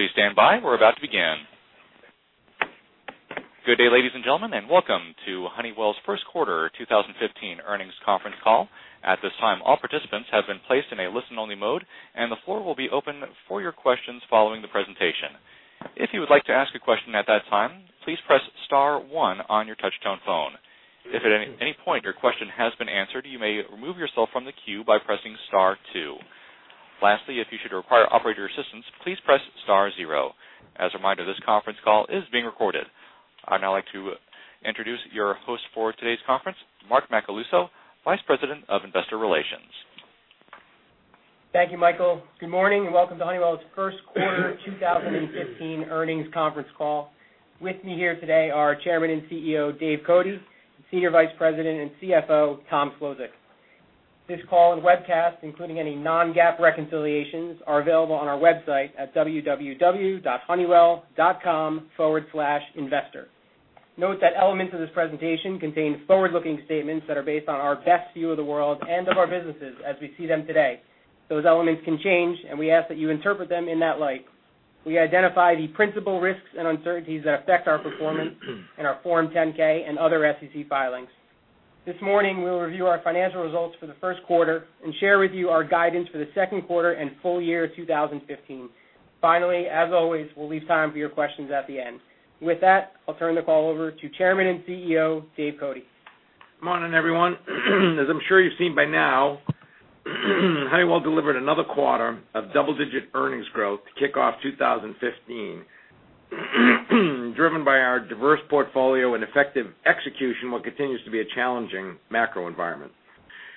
Please stand by. We're about to begin. Good day, ladies and gentlemen, and welcome to Honeywell's first quarter 2015 earnings conference call. At this time, all participants have been placed in a listen-only mode, and the floor will be open for your questions following the presentation. If you would like to ask a question at that time, please press *1 on your touch-tone phone. If at any point your question has been answered, you may remove yourself from the queue by pressing *2. Lastly, if you should require operator assistance, please press *0. As a reminder, this conference call is being recorded. I'd now like to introduce your host for today's conference, Mark Macaluso, Vice President of Investor Relations. Thank you, Michael. Good morning. Welcome to Honeywell's first quarter 2015 earnings conference call. With me here today are Chairman and CEO, Dave Cote, and Senior Vice President and CFO, Tom Szlosek. This call and webcast, including any non-GAAP reconciliations, are available on our website at www.honeywell.com/investor. Note that elements of this presentation contain forward-looking statements that are based on our best view of the world and of our businesses as we see them today. Those elements can change. We ask that you interpret them in that light. We identify the principal risks and uncertainties that affect our performance in our Form 10-K and other SEC filings. This morning, we will review our financial results for the first quarter and share with you our guidance for the second quarter and full year 2015. As always, we'll leave time for your questions at the end. With that, I'll turn the call over to Chairman and CEO, Dave Cote. Morning, everyone. As I'm sure you've seen by now, Honeywell delivered another quarter of double-digit earnings growth to kick off 2015, driven by our diverse portfolio and effective execution in what continues to be a challenging macro environment.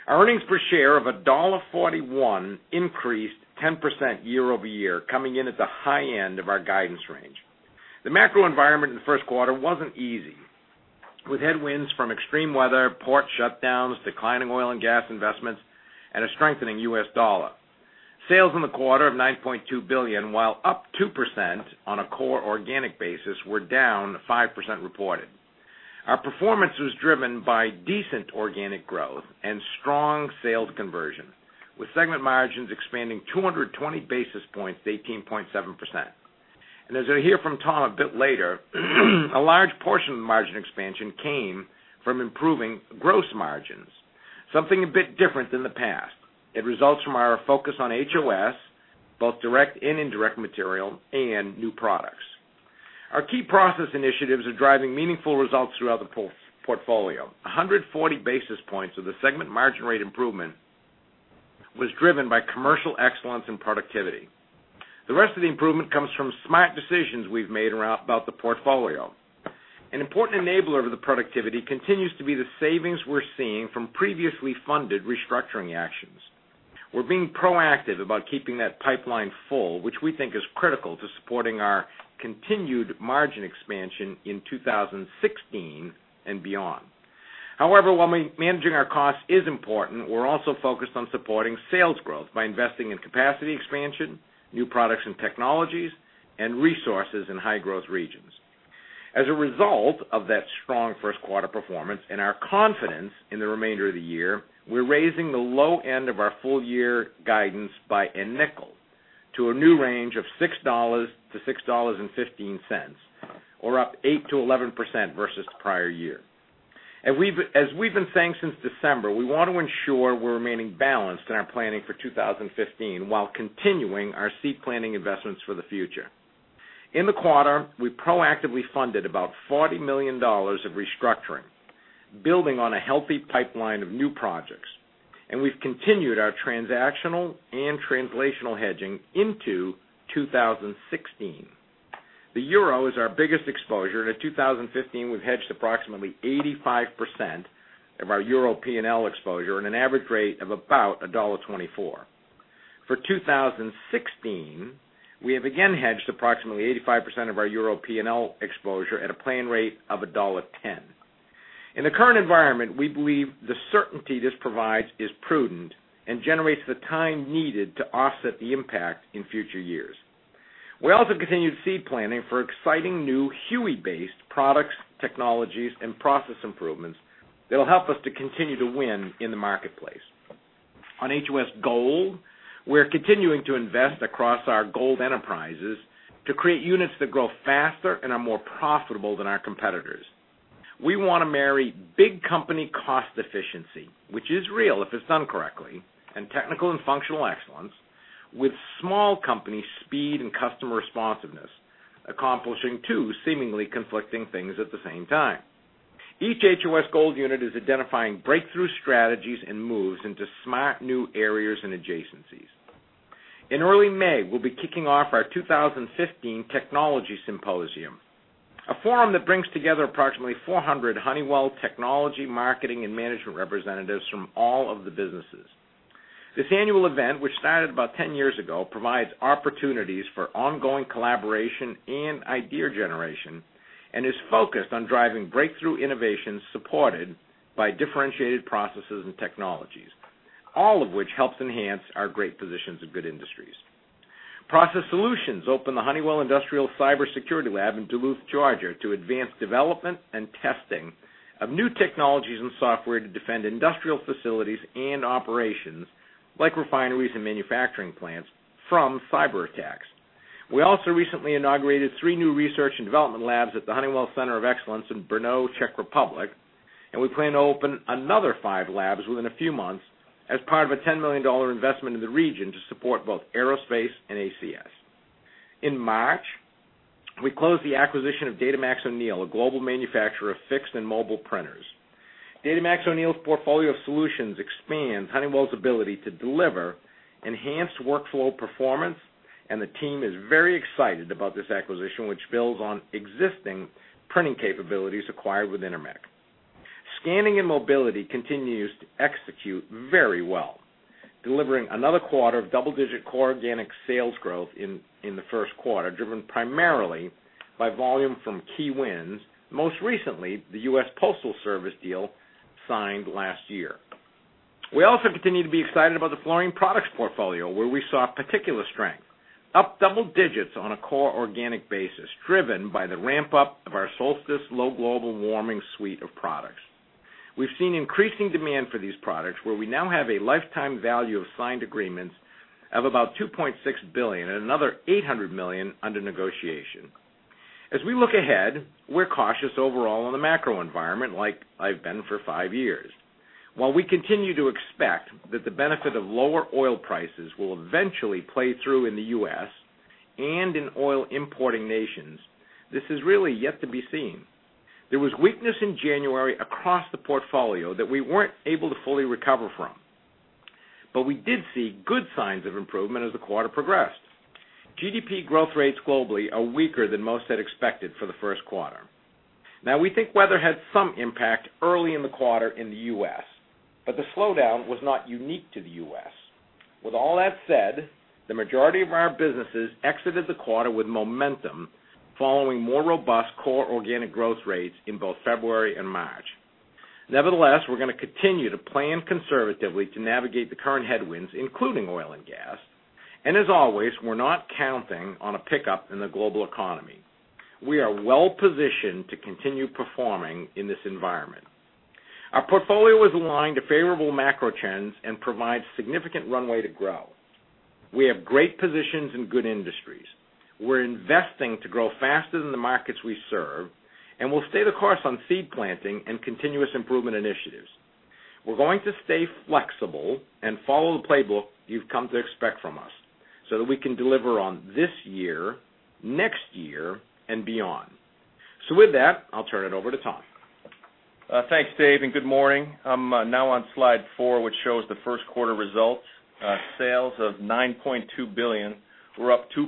Our earnings per share of $1.41 increased 10% year-over-year, coming in at the high end of our guidance range. The macro environment in the first quarter wasn't easy, with headwinds from extreme weather, port shutdowns, declining oil and gas investments, and a strengthening U.S. dollar. Sales in the quarter of $9.2 billion, while up 2% on a core organic basis, were down 5% reported. Our performance was driven by decent organic growth and strong sales conversion, with segment margins expanding 220 basis points to 18.7%. As you'll hear from Tom a bit later, a large portion of the margin expansion came from improving gross margins, something a bit different than the past. It results from our focus on HOS, both direct and indirect material, and new products. Our key process initiatives are driving meaningful results throughout the portfolio. 140 basis points of the segment margin rate improvement was driven by commercial excellence and productivity. The rest of the improvement comes from smart decisions we've made about the portfolio. An important enabler of the productivity continues to be the savings we're seeing from previously funded restructuring actions. We're being proactive about keeping that pipeline full, which we think is critical to supporting our continued margin expansion in 2016 and beyond. While managing our cost is important, we're also focused on supporting sales growth by investing in capacity expansion, new products and technologies, and resources in high-growth regions. As a result of that strong first quarter performance and our confidence in the remainder of the year, we're raising the low end of our full-year guidance by a nickel to a new range of $6-$6.15, or up 8%-11% versus the prior year. As we've been saying since December, we want to ensure we're remaining balanced in our planning for 2015 while continuing our seed planning investments for the future. In the quarter, we proactively funded about $40 million of restructuring, building on a healthy pipeline of new projects, and we've continued our transactional and translational hedging into 2016. Euro is our biggest exposure, in 2015, we've hedged approximately 85% of our euro P&L exposure at an average rate of about $1.24. For 2016, we have again hedged approximately 85% of our euro P&L exposure at a planned rate of $1.10. In the current environment, we believe the certainty this provides is prudent and generates the time needed to offset the impact in future years. We also continued seed planning for exciting new HUE-based products, technologies, and process improvements that'll help us to continue to win in the marketplace. On HOS Gold, we're continuing to invest across our Gold enterprises to create units that grow faster and are more profitable than our competitors. We want to marry big company cost efficiency, which is real if it's done correctly, and technical and functional excellence with small company speed and customer responsiveness, accomplishing two seemingly conflicting things at the same time. Each HOS Gold unit is identifying breakthrough strategies and moves into smart new areas and adjacencies. In early May, we'll be kicking off our 2015 Technology Symposium, a forum that brings together approximately 400 Honeywell technology, marketing, and management representatives from all of the businesses. This annual event, which started about 10 years ago, provides opportunities for ongoing collaboration and idea generation and is focused on driving breakthrough innovations supported by differentiated processes and technologies, all of which helps enhance our great positions in good industries. Process Solutions opened the Honeywell Industrial Cyber Security Lab in Duluth, Georgia, to advance development and testing of new technologies and software to defend industrial facilities and operations, like refineries and manufacturing plants, from cyber attacks. We also recently inaugurated three new research and development labs at the Honeywell Center of Excellence in Brno, Czech Republic, and we plan to open another five labs within a few months as part of a $10 million investment in the region to support both Aerospace and ACS. In March, we closed the acquisition of Datamax-O'Neil, a global manufacturer of fixed and mobile printers. Datamax-O'Neil's portfolio of solutions expands Honeywell's ability to deliver enhanced workflow performance, and the team is very excited about this acquisition, which builds on existing printing capabilities acquired with Intermec. Scanning & Mobility continues to execute very well, delivering another quarter of double-digit core organic sales growth in the first quarter, driven primarily by volume from key wins, most recently the United States Postal Service deal signed last year. We also continue to be excited about the Fluorine Products portfolio, where we saw particular strength, up double digits on a core organic basis, driven by the ramp-up of our Solstice low global warming suite of products. We've seen increasing demand for these products, where we now have a lifetime value of signed agreements of about $2.6 billion and another $800 million under negotiation. As we look ahead, we're cautious overall on the macro environment, like I've been for five years. While we continue to expect that the benefit of lower oil prices will eventually play through in the U.S. and in oil importing nations, this is really yet to be seen. There was weakness in January across the portfolio that we weren't able to fully recover from. We did see good signs of improvement as the quarter progressed. GDP growth rates globally are weaker than most had expected for the first quarter. We think weather had some impact early in the quarter in the U.S., but the slowdown was not unique to the U.S. With all that said, the majority of our businesses exited the quarter with momentum following more robust core organic growth rates in both February and March. Nevertheless, we're going to continue to plan conservatively to navigate the current headwinds, including oil and gas. As always, we're not counting on a pickup in the global economy. We are well-positioned to continue performing in this environment. Our portfolio is aligned to favorable macro trends and provides significant runway to grow. We have great positions in good industries. We're investing to grow faster than the markets we serve, we'll stay the course on seed planting and continuous improvement initiatives. We're going to stay flexible and follow the playbook you've come to expect from us so that we can deliver on this year, next year, and beyond. With that, I'll turn it over to Tom. Thanks, Dave, and good morning. I'm now on slide four, which shows the first quarter results. Sales of $9.2 billion were up 2%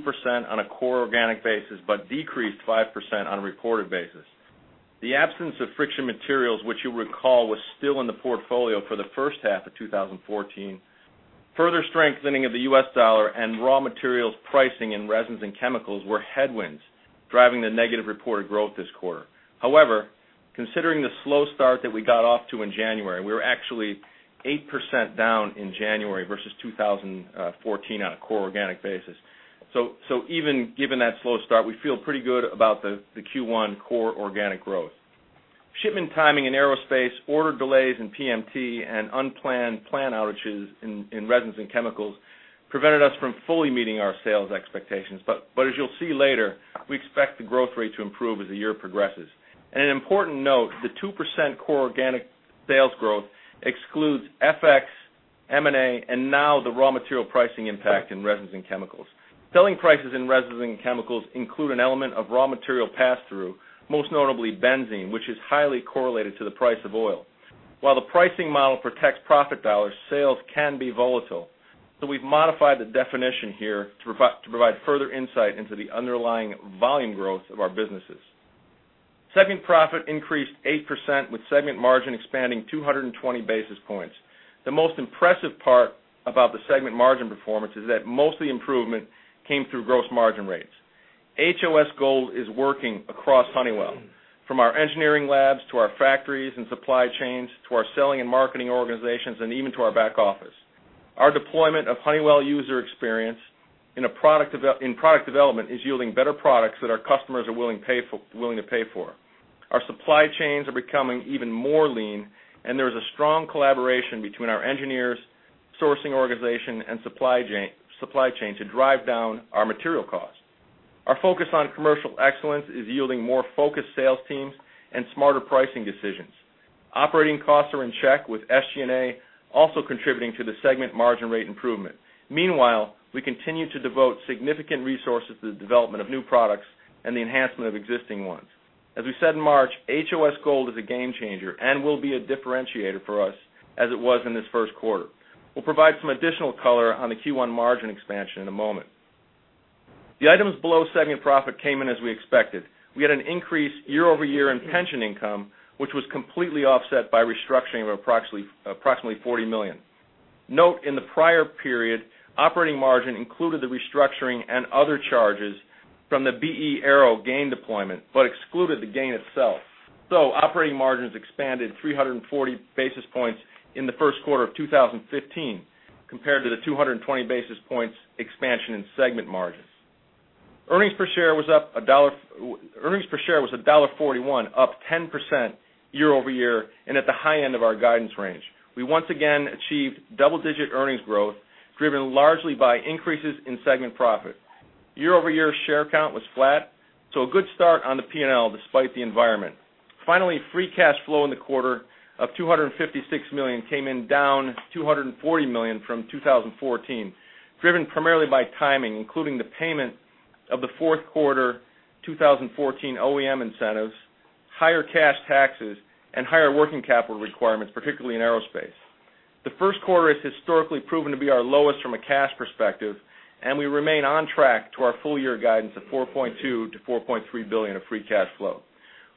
on a core organic basis but decreased 5% on a reported basis. The absence of Friction Materials, which you'll recall was still in the portfolio for the first half of 2014, further strengthening of the U.S. dollar and raw materials pricing in resins and chemicals were headwinds driving the negative reported growth this quarter. However, considering the slow start that we got off to in January, we were actually 8% down in January versus 2014 on a core organic basis. Even given that slow start, we feel pretty good about the Q1 core organic growth. Shipment timing in Aerospace, order delays in PMT, and unplanned plant outages in resins and chemicals prevented us from fully meeting our sales expectations. As you'll see later, we expect the growth rate to improve as the year progresses. An important note, the 2% core organic sales growth excludes FX, M&A, and now the raw material pricing impact in resins and chemicals. Selling prices in resins and chemicals include an element of raw material pass-through, most notably benzene, which is highly correlated to the price of oil. While the pricing model protects profit dollars, sales can be volatile. We've modified the definition here to provide further insight into the underlying volume growth of our businesses. Segment profit increased 8% with segment margin expanding 220 basis points. The most impressive part about the segment margin performance is that most of the improvement came through gross margin rates. HOS Gold is working across Honeywell, from our engineering labs to our factories and supply chains, to our selling and marketing organizations, and even to our back office. Our deployment of Honeywell User Experience in product development is yielding better products that our customers are willing to pay for. Our supply chains are becoming even more lean, and there is a strong collaboration between our engineers, sourcing organization, and supply chain to drive down our material costs. Our focus on commercial excellence is yielding more focused sales teams and smarter pricing decisions. Operating costs are in check with SG&A also contributing to the segment margin rate improvement. Meanwhile, we continue to devote significant resources to the development of new products and the enhancement of existing ones. As we said in March, HOS Gold is a game changer and will be a differentiator for us as it was in this first quarter. We'll provide some additional color on the Q1 margin expansion in a moment. The items below segment profit came in as we expected. We had an increase year-over-year in pension income, which was completely offset by restructuring of approximately $40 million. Note in the prior period, operating margin included the restructuring and other charges from the B/E Aerospace gain deployment, but excluded the gain itself. Operating margins expanded 340 basis points in the first quarter of 2015 compared to the 220 basis points expansion in segment margins. Earnings per share was $1.41, up 10% year-over-year, and at the high end of our guidance range. We once again achieved double-digit earnings growth, driven largely by increases in segment profit. Year-over-year share count was flat, a good start on the P&L despite the environment. Finally, free cash flow in the quarter of $256 million came in down $240 million from 2014, driven primarily by timing, including the payment of the fourth quarter 2014 OEM incentives, higher cash taxes, and higher working capital requirements, particularly in Aerospace. The first quarter is historically proven to be our lowest from a cash perspective, and we remain on track to our full year guidance of $4.2 billion-$4.3 billion of free cash flow.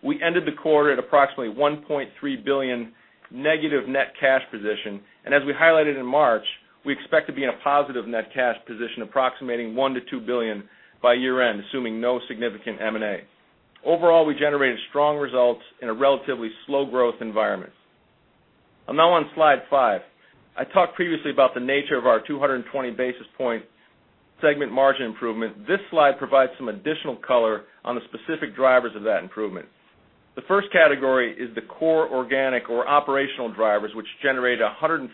We ended the quarter at approximately $1.3 billion negative net cash position, and as we highlighted in March, we expect to be in a positive net cash position approximating $1 billion-$2 billion by year-end, assuming no significant M&A. Overall, we generated strong results in a relatively slow growth environment. I'm now on slide five. I talked previously about the nature of our 220 basis point segment margin improvement. This slide provides some additional color on the specific drivers of that improvement. The first category is the core organic or operational drivers, which generate 140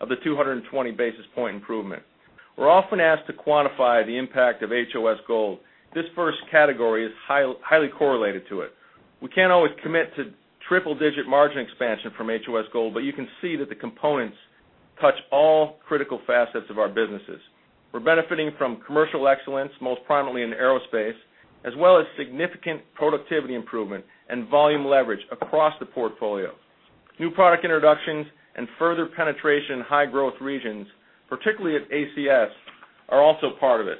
of the 220 basis point improvement. We're often asked to quantify the impact of HOS Gold. This first category is highly correlated to it. We can't always commit to triple-digit margin expansion from HOS Gold, but you can see that the components touch all critical facets of our businesses. We're benefiting from commercial excellence, most prominently in Aerospace, as well as significant productivity improvement and volume leverage across the portfolio. New product introductions and further penetration in high growth regions, particularly at ACS, are also part of it.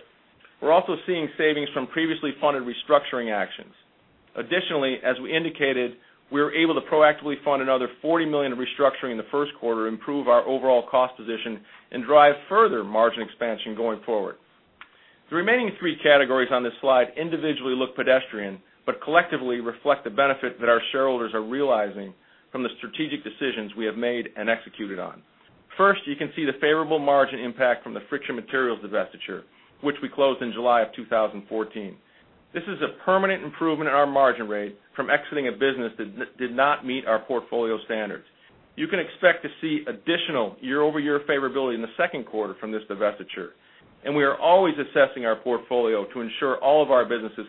We're also seeing savings from previously funded restructuring actions. Additionally, as we indicated, we are able to proactively fund another $40 million of restructuring in the first quarter, improve our overall cost position, and drive further margin expansion going forward. The remaining three categories on this slide individually look pedestrian, but collectively reflect the benefit that our shareholders are realizing from the strategic decisions we have made and executed on. First, you can see the favorable margin impact from the Friction Materials divestiture, which we closed in July of 2014. This is a permanent improvement in our margin rate from exiting a business that did not meet our portfolio standards. You can expect to see additional year-over-year favorability in the second quarter from this divestiture, and we are always assessing our portfolio to ensure all of our businesses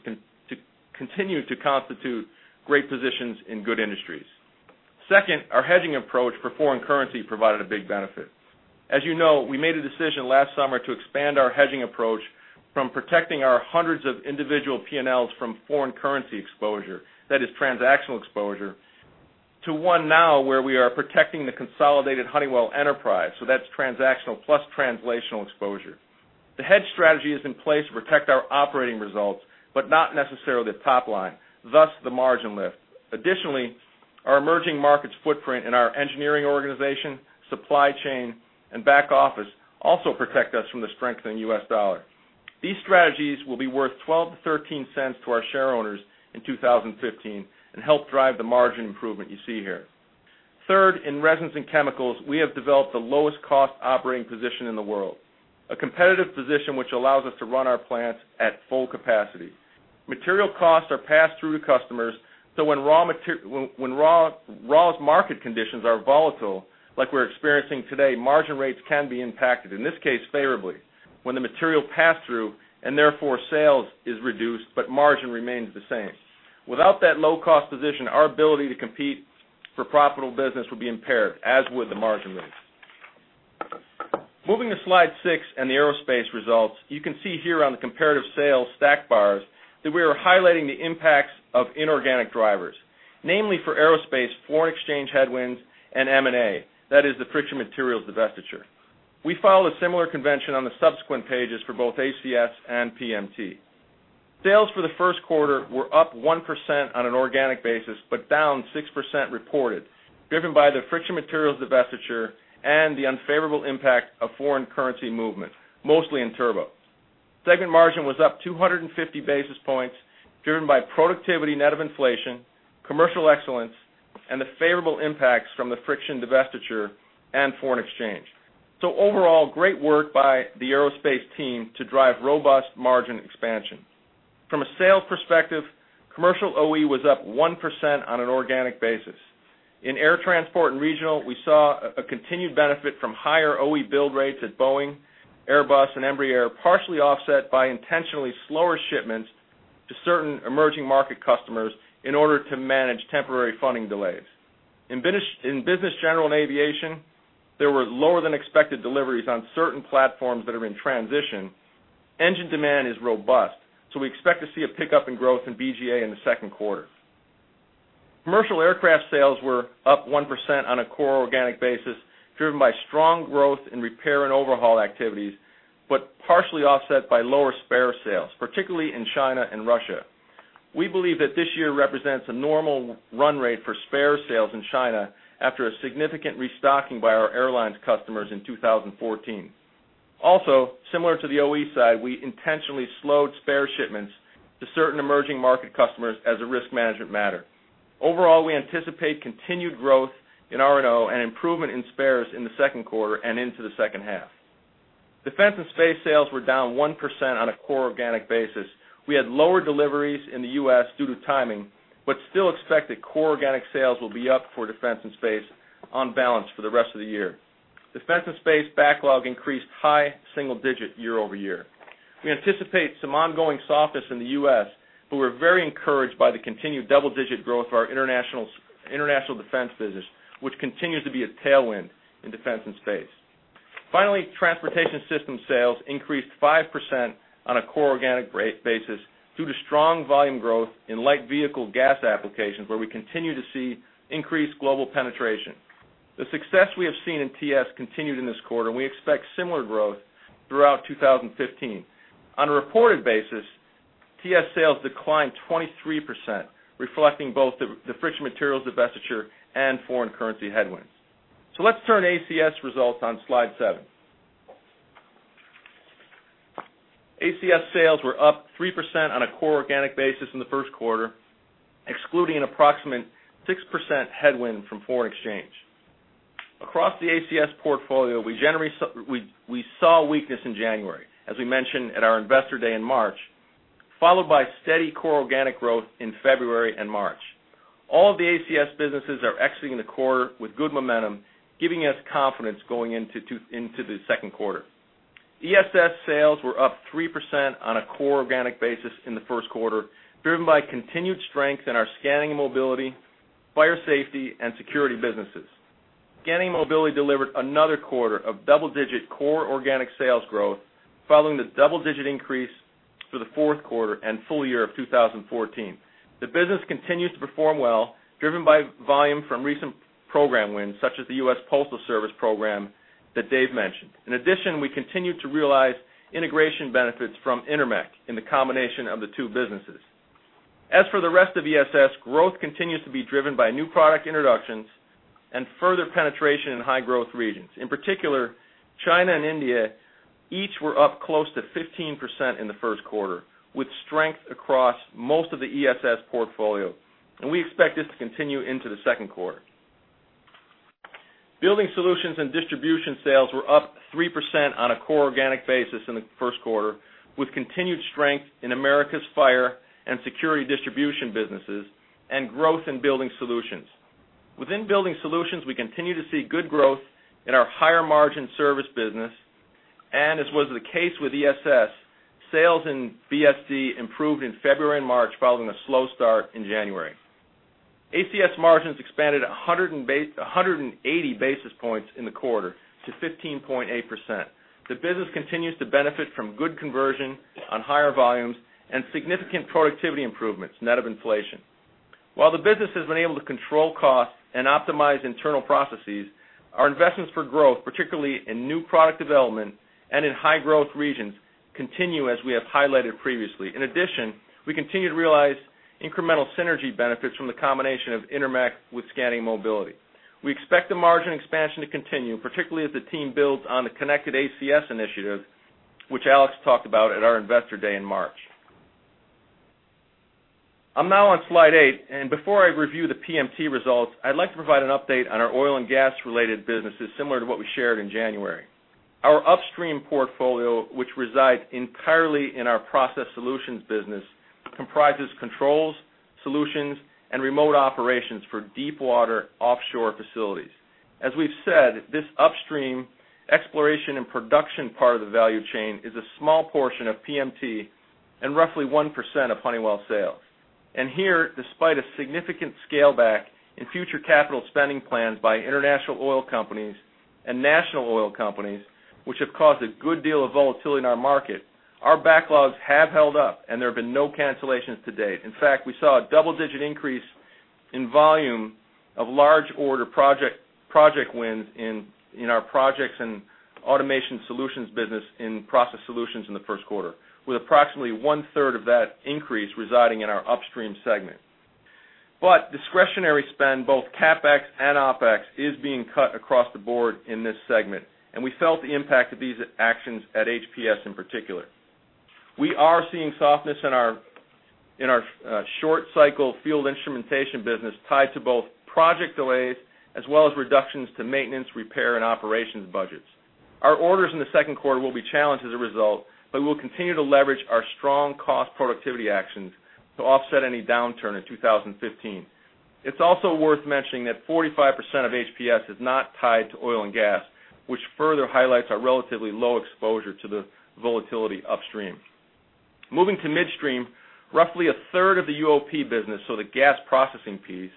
continue to constitute great positions in good industries. Second, our hedging approach for foreign currency provided a big benefit. As you know, we made a decision last summer to expand our hedging approach from protecting our hundreds of individual P&Ls from foreign currency exposure, that is transactional exposure, to one now where we are protecting the consolidated Honeywell enterprise, that's transactional plus translational exposure. The hedge strategy is in place to protect our operating results, but not necessarily the top line, thus the margin lift. Additionally, our emerging markets footprint and our engineering organization, supply chain, and back office also protect us from the strengthening U.S. dollar. These strategies will be worth $0.12-$0.13 to our shareowners in 2015 and help drive the margin improvement you see here. Third, in resins and chemicals, we have developed the lowest cost operating position in the world, a competitive position which allows us to run our plants at full capacity. Material costs are passed through to customers. When raw market conditions are volatile, like we are experiencing today, margin rates can be impacted, in this case, favorably, when the material pass-through and therefore sales is reduced, but margin remains the same. Without that low-cost position, our ability to compete for profitable business would be impaired, as would the margin lift. Moving to slide six and the Aerospace results, you can see here on the comparative sales stack bars that we are highlighting the impacts of inorganic drivers, namely for Aerospace, foreign exchange headwinds, and M&A. That is the Friction Materials divestiture. We followed a similar convention on the subsequent pages for both ACS and PMT. Sales for the first quarter were up 1% on an organic basis, but down 6% reported, driven by the Friction Materials divestiture and the unfavorable impact of foreign currency movement, mostly in turbo. Segment margin was up 250 basis points, driven by productivity net of inflation, commercial excellence, and the favorable impacts from the Friction divestiture and foreign exchange. Overall, great work by the Aerospace team to drive robust margin expansion. From a sales perspective, commercial OE was up 1% on an organic basis. In air transport and regional, we saw a continued benefit from higher OE build rates at Boeing, Airbus, and Embraer, partially offset by intentionally slower shipments to certain emerging market customers in order to manage temporary funding delays. In Business General Aviation, there were lower than expected deliveries on certain platforms that are in transition. Engine demand is robust. We expect to see a pickup in growth in BGA in the second quarter. Commercial aircraft sales were up 1% on a core organic basis, driven by strong growth in repair and overhaul activities, but partially offset by lower spare sales, particularly in China and Russia. We believe that this year represents a normal run rate for spare sales in China after a significant restocking by our airlines customers in 2014. Also, similar to the OE side, we intentionally slowed spare shipments to certain emerging market customers as a risk management matter. Overall, we anticipate continued growth in R&O and improvement in spares in the second quarter and into the second half. Defense and Space sales were down 1% on a core organic basis. We had lower deliveries in the U.S. due to timing, but still expect that core organic sales will be up for Defense and Space on balance for the rest of the year. Defense and Space backlog increased high single digit year-over-year. We anticipate some ongoing softness in the U.S., but we're very encouraged by the continued double-digit growth of our international defense business, which continues to be a tailwind in Defense and Space. Finally, Transportation Systems sales increased 5% on a core organic basis due to strong volume growth in light vehicle gas applications where we continue to see increased global penetration. The success we have seen in TS continued in this quarter, and we expect similar growth throughout 2015. On a reported basis, TS sales declined 23%, reflecting both the Friction Materials divestiture and foreign currency headwinds. Let's turn to ACS results on slide seven. ACS sales were up 3% on a core organic basis in the first quarter, excluding an approximate 6% headwind from foreign exchange. Across the ACS portfolio, we saw weakness in January, as we mentioned at our Investor Day in March, followed by steady core organic growth in February and March. All of the ACS businesses are exiting the quarter with good momentum, giving us confidence going into the second quarter. ESS sales were up 3% on a core organic basis in the first quarter, driven by continued strength in our Scanning Mobility, Fire Safety, and Security businesses. Scanning Mobility delivered another quarter of double-digit core organic sales growth following the double-digit increase for the fourth quarter and full year of 2014. The business continues to perform well, driven by volume from recent program wins, such as the U.S. Postal Service program that Dave mentioned. In addition, we continue to realize integration benefits from Intermec in the combination of the two businesses. As for the rest of ESS, growth continues to be driven by new product introductions and further penetration in high-growth regions. In particular, China and India each were up close to 15% in the first quarter, with strength across most of the ESS portfolio, and we expect this to continue into the second quarter. Building Solutions and Distribution sales were up 3% on a core organic basis in the first quarter, with continued strength in Americas Fire and Security Distribution businesses and growth in Building Solutions. Within Building Solutions, we continue to see good growth in our higher-margin service business, and as was the case with ESS, sales in BSD improved in February and March, following a slow start in January. ACS margins expanded 180 basis points in the quarter to 15.8%. The business continues to benefit from good conversion on higher volumes and significant productivity improvements, net of inflation. While the business has been able to control costs and optimize internal processes, our investments for growth, particularly in new product development and in high-growth regions, continue as we have highlighted previously. In addition, we continue to realize incremental synergy benefits from the combination of Intermec with Scanning Mobility. We expect the margin expansion to continue, particularly as the team builds on the Connected ACS initiative, which Alex talked about at our Investor Day in March. I'm now on slide eight, and before I review the PMT results, I'd like to provide an update on our oil and gas-related businesses, similar to what we shared in January. Our upstream portfolio, which resides entirely in our Process Solutions business, comprises controls, solutions, and remote operations for deepwater offshore facilities. As we've said, this upstream exploration and production part of the value chain is a small portion of PMT and roughly 1% of Honeywell sales. Here, despite a significant scale back in future capital spending plans by international oil companies and national oil companies, which have caused a good deal of volatility in our market, our backlogs have held up, and there have been no cancellations to date. In fact, we saw a double-digit increase in volume of large order project wins in our projects and automation solutions business in Process Solutions in the first quarter, with approximately one-third of that increase residing in our upstream segment. Discretionary spend, both CapEx and OpEx, is being cut across the board in this segment, and we felt the impact of these actions at HPS in particular. We are seeing softness in our short-cycle field instrumentation business tied to both project delays as well as reductions to maintenance, repair, and operations budgets. Our orders in the second quarter will be challenged as a result, but we'll continue to leverage our strong cost productivity actions to offset any downturn in 2015. It's also worth mentioning that 45% of HPS is not tied to oil and gas, which further highlights our relatively low exposure to the volatility upstream. Moving to midstream, roughly a third of the UOP business, so the gas processing piece,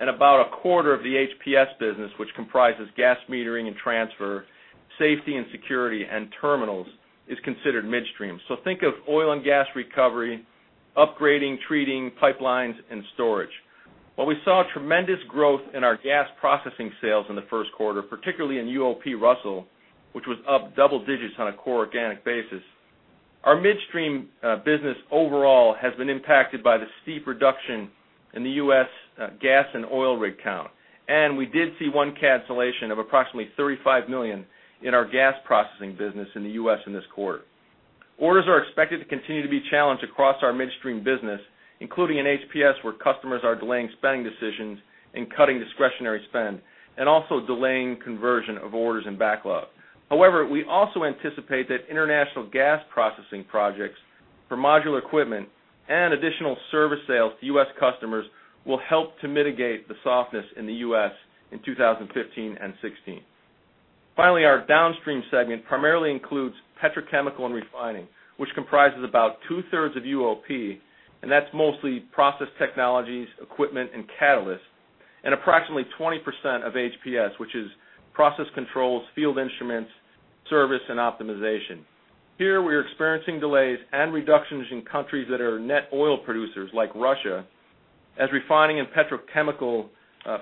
and about a quarter of the HPS business, which comprises gas metering and transfer, safety and security, and terminals, is considered midstream. Think of oil and gas recovery, upgrading, treating pipelines, and storage. While we saw tremendous growth in our gas processing sales in the first quarter, particularly in UOP Russell, which was up double digits on a core organic basis, our midstream business overall has been impacted by the steep reduction in the U.S. gas and oil rig count. We did see one cancellation of approximately $35 million in our gas processing business in the U.S. in this quarter. Orders are expected to continue to be challenged across our midstream business, including in HPS, where customers are delaying spending decisions and cutting discretionary spend, and also delaying conversion of orders and backlog. However, we also anticipate that international gas processing projects for modular equipment and additional service sales to U.S. customers will help to mitigate the softness in the U.S. in 2015 and 2016. Finally, our downstream segment primarily includes petrochemical and refining, which comprises about two-thirds of UOP, and that's mostly process technologies, equipment, and catalyst, and approximately 20% of HPS, which is process controls, field instruments, service, and optimization. Here we are experiencing delays and reductions in countries that are net oil producers, like Russia, as refining and petrochemical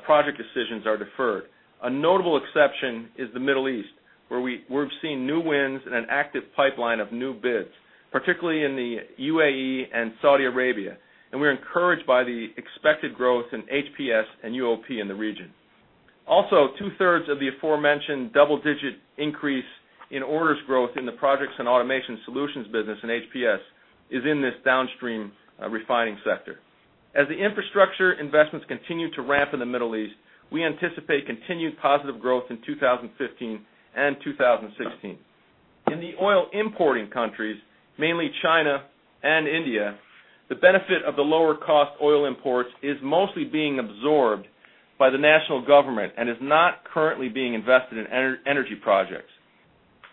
project decisions are deferred. A notable exception is the Middle East, where we've seen new wins and an active pipeline of new bids, particularly in the UAE and Saudi Arabia, and we're encouraged by the expected growth in HPS and UOP in the region. Also, two-thirds of the aforementioned double-digit increase in orders growth in the projects and automation solutions business in HPS is in this downstream refining sector. As the infrastructure investments continue to ramp in the Middle East, we anticipate continued positive growth in 2015 and 2016. In the oil importing countries, mainly China and India, the benefit of the lower cost oil imports is mostly being absorbed by the national government and is not currently being invested in energy projects.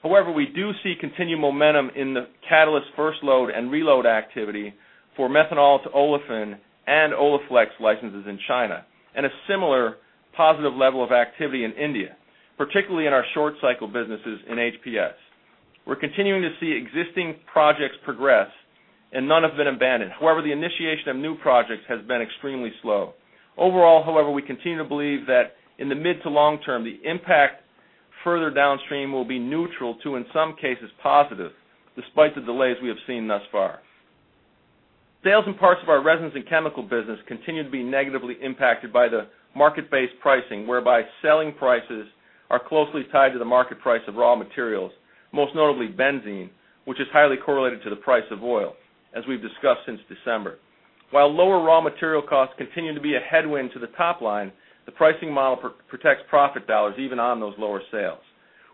However, we do see continued momentum in the catalyst first load and reload activity for methanol-to-olefins and Oleflex licenses in China, and a similar positive level of activity in India, particularly in our short cycle businesses in HPS. We're continuing to see existing projects progress, and none have been abandoned. However, the initiation of new projects has been extremely slow. Overall, however, we continue to believe that in the mid to long term, the impact further downstream will be neutral to, in some cases, positive, despite the delays we have seen thus far. Sales and parts of our resins and chemicals business continue to be negatively impacted by the market-based pricing, whereby selling prices are closely tied to the market price of raw materials, most notably benzene, which is highly correlated to the price of oil, as we've discussed since December. While lower raw material costs continue to be a headwind to the top line, the pricing model protects profit dollars even on those lower sales.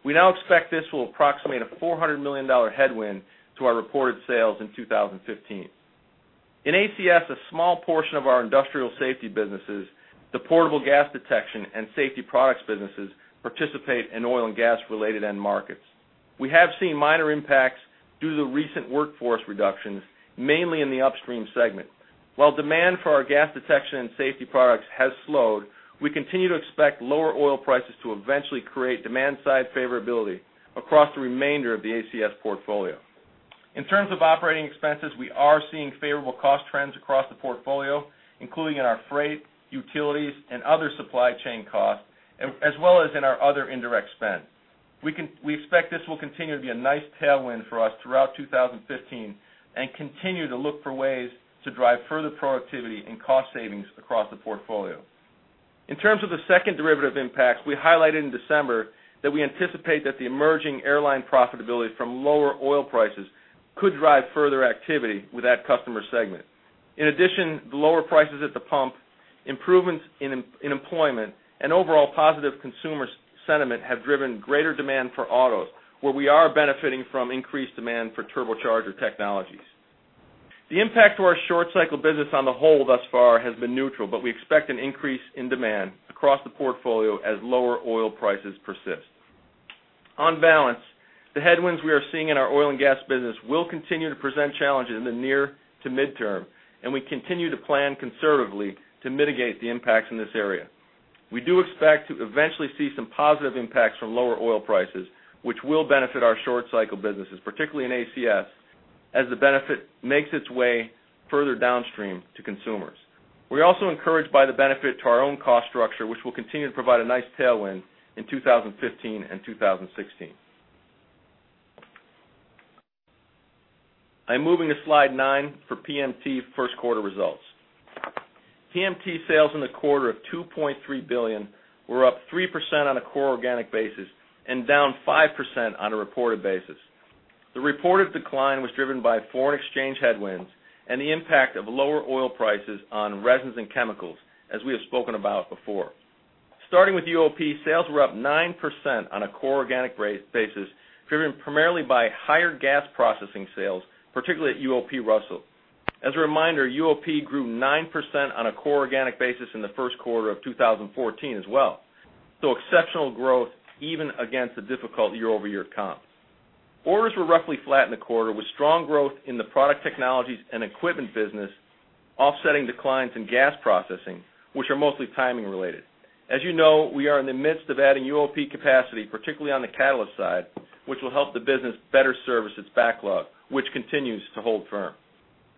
We now expect this will approximate a $400 million headwind to our reported sales in 2015. In ACS, a small portion of our industrial safety businesses, the portable gas detection and safety products businesses participate in oil and gas-related end markets. We have seen minor impacts due to the recent workforce reductions, mainly in the upstream segment. While demand for our gas detection and safety products has slowed, we continue to expect lower oil prices to eventually create demand-side favorability across the remainder of the ACS portfolio. In terms of operating expenses, we are seeing favorable cost trends across the portfolio, including in our freight, utilities, and other supply chain costs, as well as in our other indirect spend. We expect this will continue to be a nice tailwind for us throughout 2015 and continue to look for ways to drive further productivity and cost savings across the portfolio. In terms of the second derivative impacts, we highlighted in December that we anticipate that the emerging airline profitability from lower oil prices could drive further activity with that customer segment. In addition to the lower prices at the pump, improvements in employment and overall positive consumer sentiment have driven greater demand for autos, where we are benefiting from increased demand for turbocharger technologies. The impact to our short cycle business on the whole thus far has been neutral, but we expect an increase in demand across the portfolio as lower oil prices persist. On balance, the headwinds we are seeing in our oil and gas business will continue to present challenges in the near to midterm, and we continue to plan conservatively to mitigate the impacts in this area. We do expect to eventually see some positive impacts from lower oil prices, which will benefit our short cycle businesses, particularly in ACS, as the benefit makes its way further downstream to consumers. We're also encouraged by the benefit to our own cost structure, which will continue to provide a nice tailwind in 2015 and 2016. I'm moving to slide nine for PMT first quarter results. PMT sales in the quarter of $2.3 billion were up 3% on a core organic basis and down 5% on a reported basis. The reported decline was driven by foreign exchange headwinds and the impact of lower oil prices on resins and chemicals, as we have spoken about before. Starting with UOP, sales were up 9% on a core organic basis, driven primarily by higher gas processing sales, particularly at UOP Russell. As a reminder, UOP grew 9% on a core organic basis in the first quarter of 2014 as well. Exceptional growth even against the difficult year-over-year comp. Orders were roughly flat in the quarter with strong growth in the product technologies and equipment business offsetting declines in gas processing, which are mostly timing related. As you know, we are in the midst of adding UOP capacity, particularly on the catalyst side, which will help the business better service its backlog, which continues to hold firm.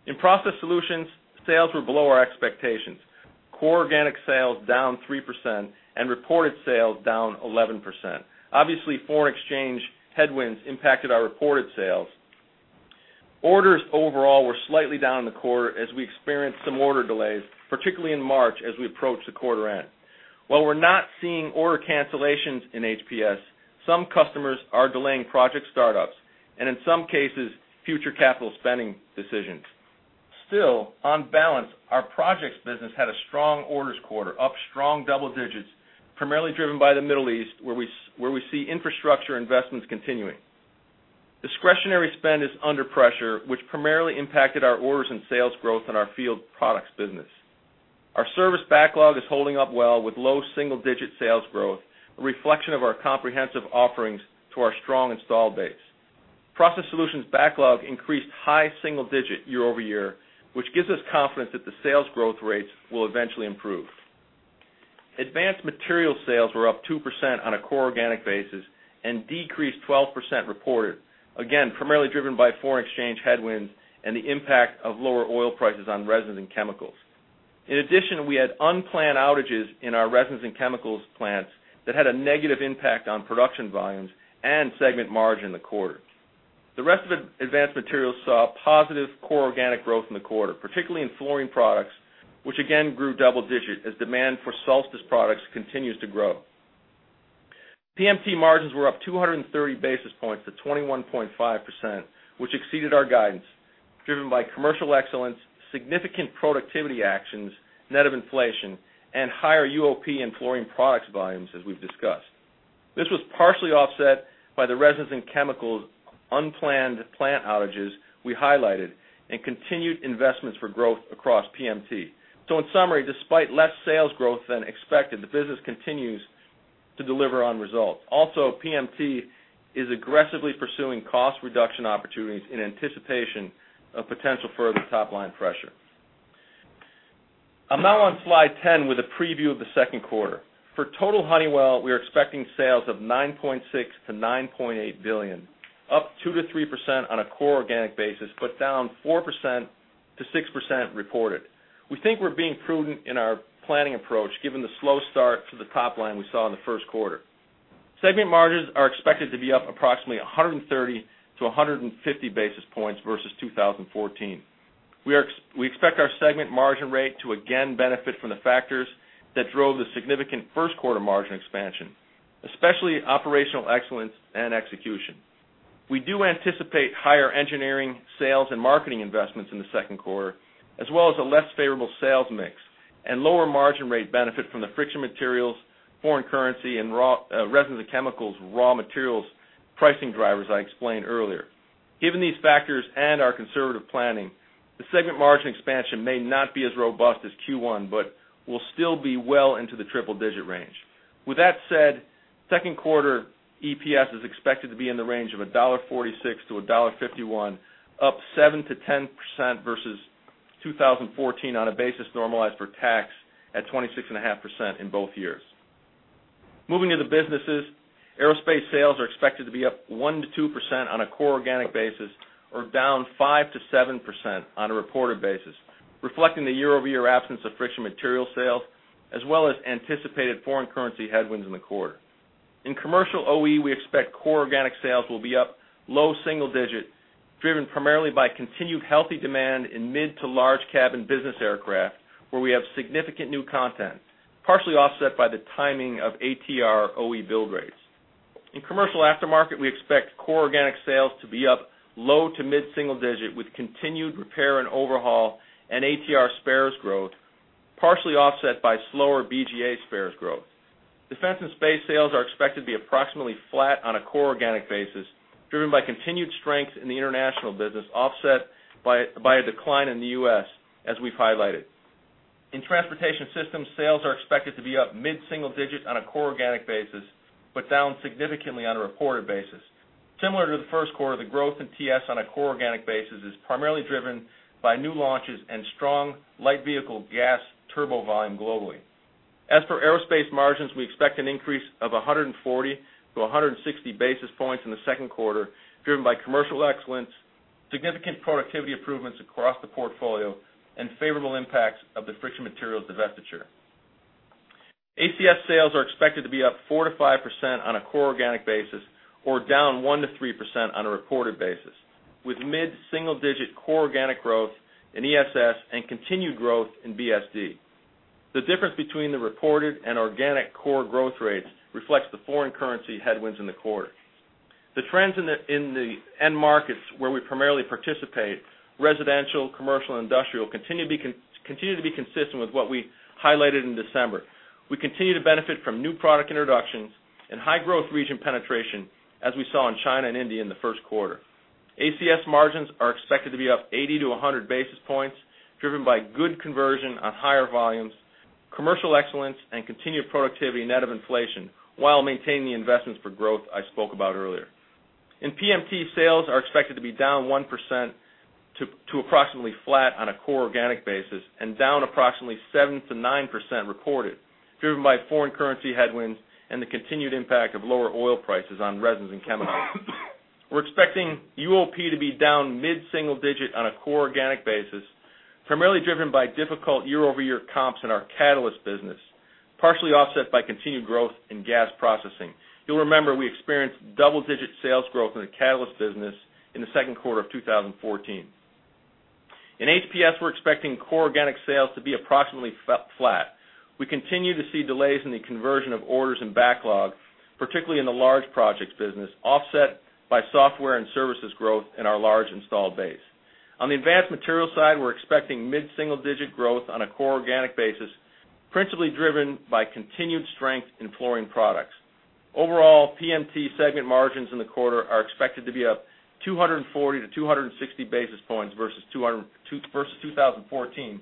In Process Solutions, sales were below our expectations. Core organic sales down 3% and reported sales down 11%. Obviously, foreign exchange headwinds impacted our reported sales. Orders overall were slightly down in the quarter as we experienced some order delays, particularly in March as we approached the quarter end. While we're not seeing order cancellations in HPS, some customers are delaying project startups and in some cases, future capital spending decisions. On balance, our projects business had a strong orders quarter, up strong double digits, primarily driven by the Middle East, where we see infrastructure investments continuing. Discretionary spend is under pressure, which primarily impacted our orders and sales growth in our field products business. Our service backlog is holding up well with low single-digit sales growth, a reflection of our comprehensive offerings to our strong installed base. Process Solutions backlog increased high single digit year-over-year, which gives us confidence that the sales growth rates will eventually improve. Advanced Materials sales were up 2% on a core organic basis and decreased 12% reported, again, primarily driven by foreign exchange headwinds and the impact of lower oil prices on resins and chemicals. In addition, we had unplanned outages in our resins and chemicals plants that had a negative impact on production volumes and segment margin in the quarter. The rest of Advanced Materials saw positive core organic growth in the quarter, particularly in Fluorine Products, which again grew double digits as demand for Solstice products continues to grow. PMT margins were up 230 basis points to 21.5%, which exceeded our guidance, driven by commercial excellence, significant productivity actions, net of inflation, and higher UOP and Fluorine Products volumes as we've discussed. This was partially offset by the resins and chemicals unplanned plant outages we highlighted and continued investments for growth across PMT. In summary, despite less sales growth than expected, the business continues to deliver on results. PMT is aggressively pursuing cost reduction opportunities in anticipation of potential further top-line pressure. I'm now on slide 10 with a preview of the second quarter. For total Honeywell, we are expecting sales of $9.6 billion-$9.8 billion, up 2%-3% on a core organic basis, down 4%-6% reported. We think we're being prudent in our planning approach, given the slow start to the top line we saw in the first quarter. Segment margins are expected to be up approximately 130-150 basis points versus 2014. We expect our segment margin rate to again benefit from the factors that drove the significant first quarter margin expansion, especially operational excellence and execution. We do anticipate higher engineering, sales, and marketing investments in the second quarter, as well as a less favorable sales mix and lower margin rate benefit from the Friction Materials, foreign currency, and resins and chemicals raw materials pricing drivers I explained earlier. Given these factors and our conservative planning, the segment margin expansion may not be as robust as Q1 but will still be well into the triple-digit range. Second quarter EPS is expected to be in the range of $1.46-$1.51, up 7%-10% versus 2014 on a basis normalized for tax at 26.5% in both years. Moving to the businesses, Aerospace sales are expected to be up 1%-2% on a core organic basis or down 5%-7% on a reported basis, reflecting the year-over-year absence of Friction Materials sales, as well as anticipated foreign currency headwinds in the quarter. In commercial OE, we expect core organic sales will be up low single-digit, driven primarily by continued healthy demand in mid to large-cabin business aircraft, where we have significant new content, partially offset by the timing of ATR OE build rates. In commercial Aftermarket, we expect core organic sales to be up low to mid-single-digit with continued repair and overhaul and ATR spares growth, partially offset by slower BGA spares growth. Defense and Space sales are expected to be approximately flat on a core organic basis, driven by continued strength in the international business, offset by a decline in the U.S., as we've highlighted. In Transportation Systems, sales are expected to be up mid-single-digit on a core organic basis, but down significantly on a reported basis. Similar to the first quarter, the growth in TS on a core organic basis is primarily driven by new launches and strong light vehicle gas turbo volume globally. As for Aerospace margins, we expect an increase of 140-160 basis points in the second quarter, driven by commercial excellence, significant productivity improvements across the portfolio, and favorable impacts of the Friction Materials divestiture. ACS sales are expected to be up 4%-5% on a core organic basis or down 1%-3% on a reported basis, with mid-single-digit core organic growth in ESS and continued growth in BSD. The difference between the reported and organic core growth rates reflects the foreign currency headwinds in the quarter. The trends in the end markets where we primarily participate, residential, commercial, and industrial, continue to be consistent with what we highlighted in December. We continue to benefit from new product introductions and high-growth region penetration, as we saw in China and India in the first quarter. ACS margins are expected to be up 80-100 basis points, driven by good conversion on higher volumes, commercial excellence, and continued productivity net of inflation while maintaining the investments for growth I spoke about earlier. In PMT, sales are expected to be down 1% to approximately flat on a core organic basis and down approximately 7%-9% reported, driven by foreign currency headwinds and the continued impact of lower oil prices on resins and chemicals. We're expecting UOP to be down mid-single-digit on a core organic basis, primarily driven by difficult year-over-year comps in our catalyst business, partially offset by continued growth in gas processing. You'll remember we experienced double-digit sales growth in the catalyst business in the second quarter of 2014. In HPS, we're expecting core organic sales to be approximately flat. We continue to see delays in the conversion of orders and backlog, particularly in the large projects business, offset by software and services growth in our large installed base. On the Advanced Materials side, we're expecting mid-single-digit growth on a core organic basis, principally driven by continued strength in Fluorine Products. Overall, PMT segment margins in the quarter are expected to be up 240 to 260 basis points versus 2014,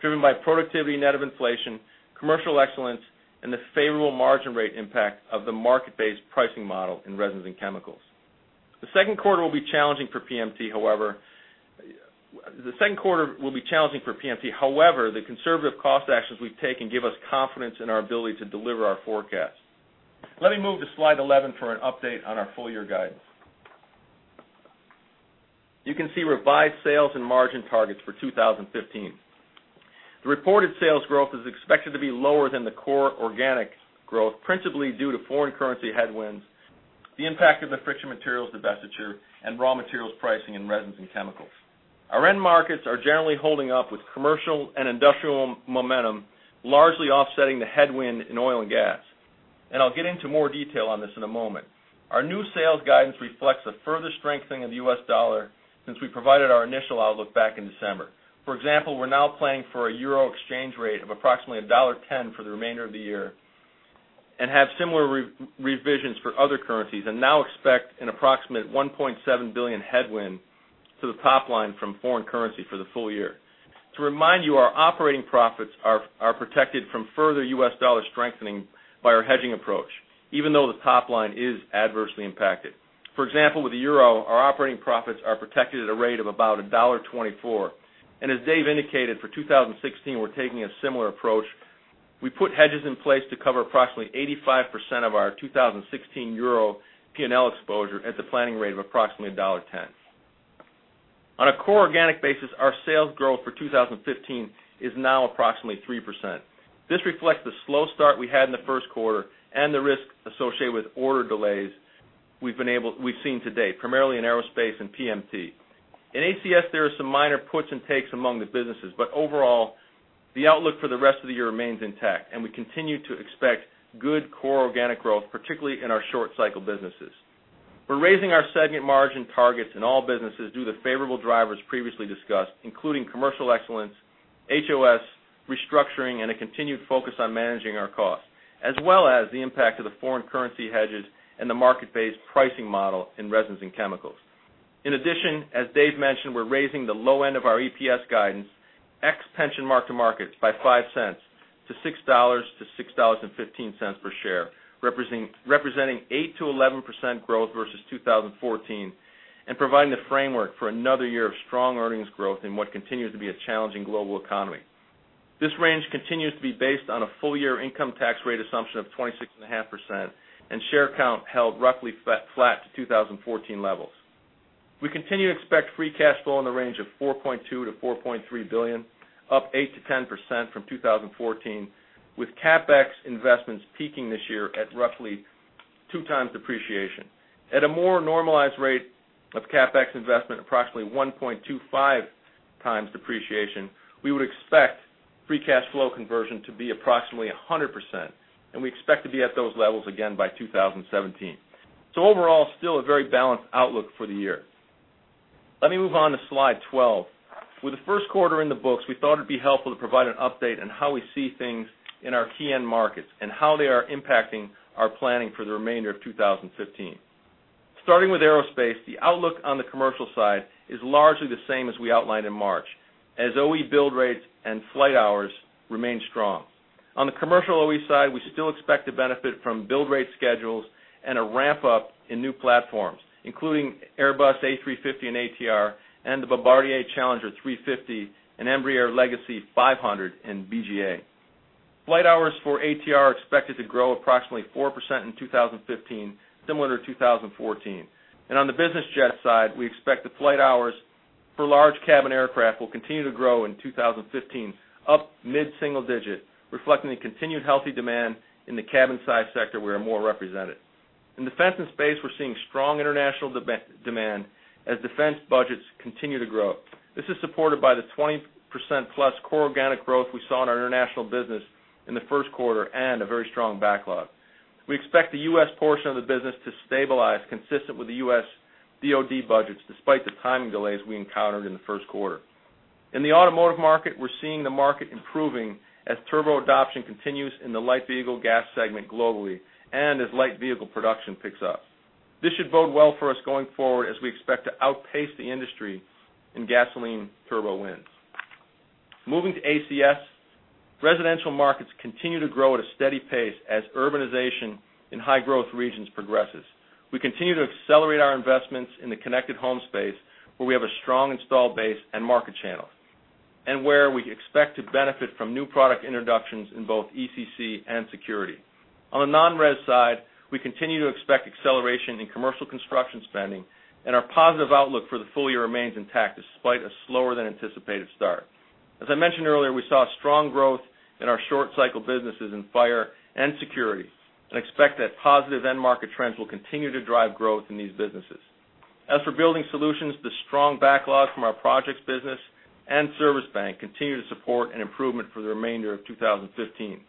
driven by productivity net of inflation, commercial excellence, and the favorable margin rate impact of the market-based pricing model in resins and chemicals. The second quarter will be challenging for PMT. However, the conservative cost actions we've taken give us confidence in our ability to deliver our forecast. Let me move to slide 11 for an update on our full-year guidance. You can see revised sales and margin targets for 2015. The reported sales growth is expected to be lower than the core organic growth, principally due to foreign currency headwinds, the impact of the Friction Materials divestiture, and raw materials pricing in resins and chemicals. I'll get into more detail on this in a moment. Our new sales guidance reflects a further strengthening of the U.S. dollar since we provided our initial outlook back in December. For example, we're now planning for a euro exchange rate of approximately $1.10 for the remainder of the year and have similar revisions for other currencies and now expect an approximate $1.7 billion headwind to the top line from foreign currency for the full year. To remind you, our operating profits are protected from further U.S. dollar strengthening by our hedging approach, even though the top line is adversely impacted. For example, with the euro, our operating profits are protected at a rate of about $1.24. As Dave indicated, for 2016, we're taking a similar approach. We put hedges in place to cover approximately 85% of our 2016 euro P&L exposure at the planning rate of approximately $1.10. On a core organic basis, our sales growth for 2015 is now approximately 3%. This reflects the slow start we had in the first quarter and the risk associated with order delays we've seen today, primarily in Aerospace and PMT. In ACS, there are some minor puts and takes among the businesses. Overall, the outlook for the rest of the year remains intact. We continue to expect good core organic growth, particularly in our short cycle businesses. We're raising our segment margin targets in all businesses due to favorable drivers previously discussed, including commercial excellence, HOS, restructuring, and a continued focus on managing our costs, as well as the impact of the foreign currency hedges and the market-based pricing model in resins and chemicals. In addition, as Dave mentioned, we're raising the low end of our EPS guidance, ex pension mark-to-markets by $0.05 to $6 to $6.15 per share, representing 8%-11% growth versus 2014 and providing the framework for another year of strong earnings growth in what continues to be a challenging global economy. This range continues to be based on a full-year income tax rate assumption of 26.5% and share count held roughly flat to 2014 levels. We continue to expect free cash flow in the range of $4.2 billion-$4.3 billion, up 8%-10% from 2014, with CapEx investments peaking this year at roughly two times depreciation. At a more normalized rate of CapEx investment, approximately 1.25 times depreciation, we would expect free cash flow conversion to be approximately 100%, and we expect to be at those levels again by 2017. Overall, still a very balanced outlook for the year. Let me move on to slide 12. With the first quarter in the books, we thought it would be helpful to provide an update on how we see things in our key end markets and how they are impacting our planning for the remainder of 2015. Starting with Aerospace, the outlook on the commercial side is largely the same as we outlined in March, as OE build rates and flight hours remain strong. On the commercial OE side, we still expect to benefit from build rate schedules and a ramp-up in new platforms, including Airbus A350 and ATR and the Bombardier Challenger 350, and Embraer Legacy 500 and BGA. Flight hours for ATR are expected to grow approximately 4% in 2015, similar to 2014. On the business jet side, we expect the flight hours for large cabin aircraft will continue to grow in 2015, up mid-single digit, reflecting the continued healthy demand in the cabin size sector we are more represented. In Defense and Space, we are seeing strong international demand as defense budgets continue to grow. This is supported by the 20%-plus core organic growth we saw in our international business in the first quarter and a very strong backlog. We expect the U.S. portion of the business to stabilize consistent with the U.S. DoD budgets, despite the timing delays we encountered in the first quarter. In the automotive market, we are seeing the market improving as turbo adoption continues in the light vehicle gas segment globally and as light vehicle production picks up. This should bode well for us going forward as we expect to outpace the industry in gasoline turbo wins. Moving to ACS, residential markets continue to grow at a steady pace as urbanization in high-growth regions progresses. We continue to accelerate our investments in the Connected Home space, where we have a strong installed base and market channel, and where we expect to benefit from new product introductions in both ECC and security. On the non-res side, we continue to expect acceleration in commercial construction spending, and our positive outlook for the full year remains intact despite a slower-than-anticipated start. As I mentioned earlier, we saw strong growth in our short cycle businesses in fire and security, and expect that positive end market trends will continue to drive growth in these businesses. As for Building Solutions, the strong backlogs from our projects business and service bank continue to support an improvement for the remainder of 2015.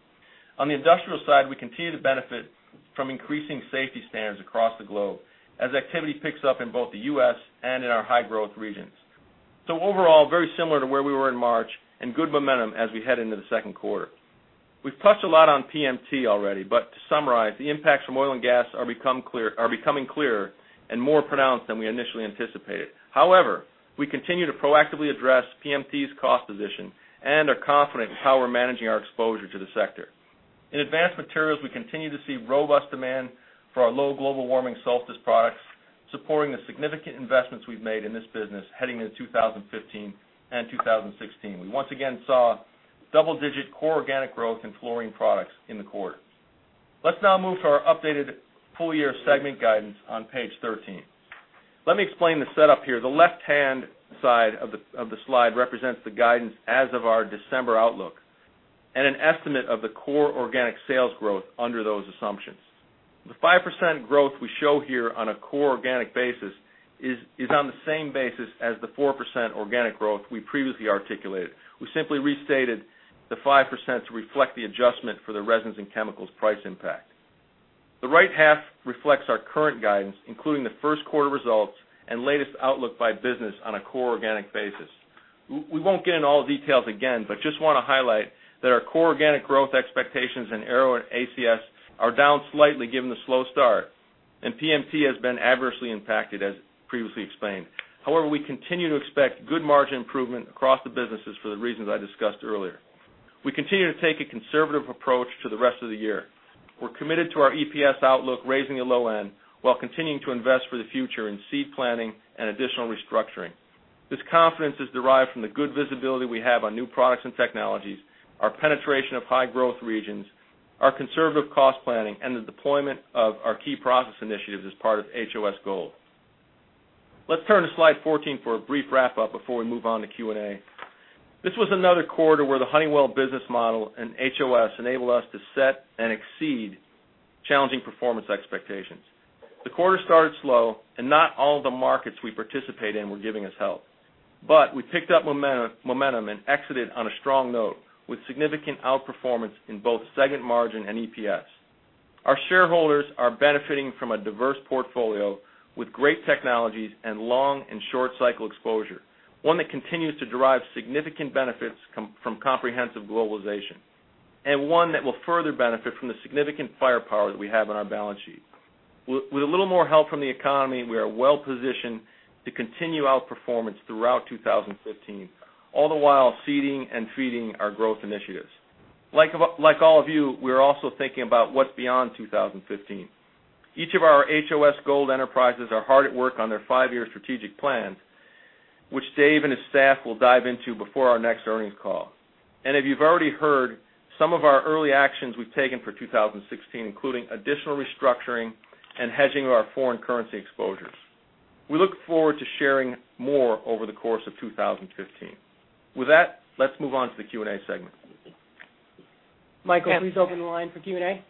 On the industrial side, we continue to benefit from increasing safety standards across the globe as activity picks up in both the U.S. and in our high growth regions. Overall, very similar to where we were in March and good momentum as we head into the second quarter. We've touched a lot on PMT already, but to summarize, the impacts from oil and gas are becoming clearer and more pronounced than we initially anticipated. However, we continue to proactively address PMT's cost position and are confident in how we're managing our exposure to the sector. In Advanced Materials, we continue to see robust demand for our low global warming Solstice products, supporting the significant investments we've made in this business heading into 2015 and 2016. We once again saw double-digit core organic growth in Fluorine Products in the quarter. Let's now move to our updated full-year segment guidance on page 13. Let me explain the setup here. The left-hand side of the slide represents the guidance as of our December outlook and an estimate of the core organic sales growth under those assumptions. The 5% growth we show here on a core organic basis is on the same basis as the 4% organic growth we previously articulated. We simply restated the 5% to reflect the adjustment for the resins and chemicals price impact. The right half reflects our current guidance, including the first quarter results and latest outlook by business on a core organic basis. We won't get into all the details again, but just want to highlight that our core organic growth expectations in Aero and ACS are down slightly given the slow start, and PMT has been adversely impacted, as previously explained. We continue to expect good margin improvement across the businesses for the reasons I discussed earlier. We continue to take a conservative approach to the rest of the year. We're committed to our EPS outlook, raising the low end, while continuing to invest for the future in seed planting and additional restructuring. This confidence is derived from the good visibility we have on new products and technologies, our penetration of high growth regions, our conservative cost planning, and the deployment of our key process initiatives as part of HOS Gold. Let's turn to slide 14 for a brief wrap-up before we move on to Q&A. This was another quarter where the Honeywell business model and HOS enabled us to set and exceed challenging performance expectations. The quarter started slow, and not all the markets we participate in were giving us help. We picked up momentum and exited on a strong note, with significant outperformance in both segment margin and EPS. Our shareholders are benefiting from a diverse portfolio with great technologies and long and short cycle exposure, one that continues to derive significant benefits from comprehensive globalization, and one that will further benefit from the significant firepower that we have on our balance sheet. With a little more help from the economy, we are well-positioned to continue outperformance throughout 2015, all the while seeding and feeding our growth initiatives. Like all of you, we're also thinking about what's beyond 2015. Each of our HOS Gold enterprises are hard at work on their five-year strategic plans, which Dave and his staff will dive into before our next earnings call. If you've already heard, some of our early actions we've taken for 2016 include additional restructuring and hedging of our foreign currency exposures. We look forward to sharing more over the course of 2015. With that, let's move on to the Q&A segment. Michael, please open the line for Q&A.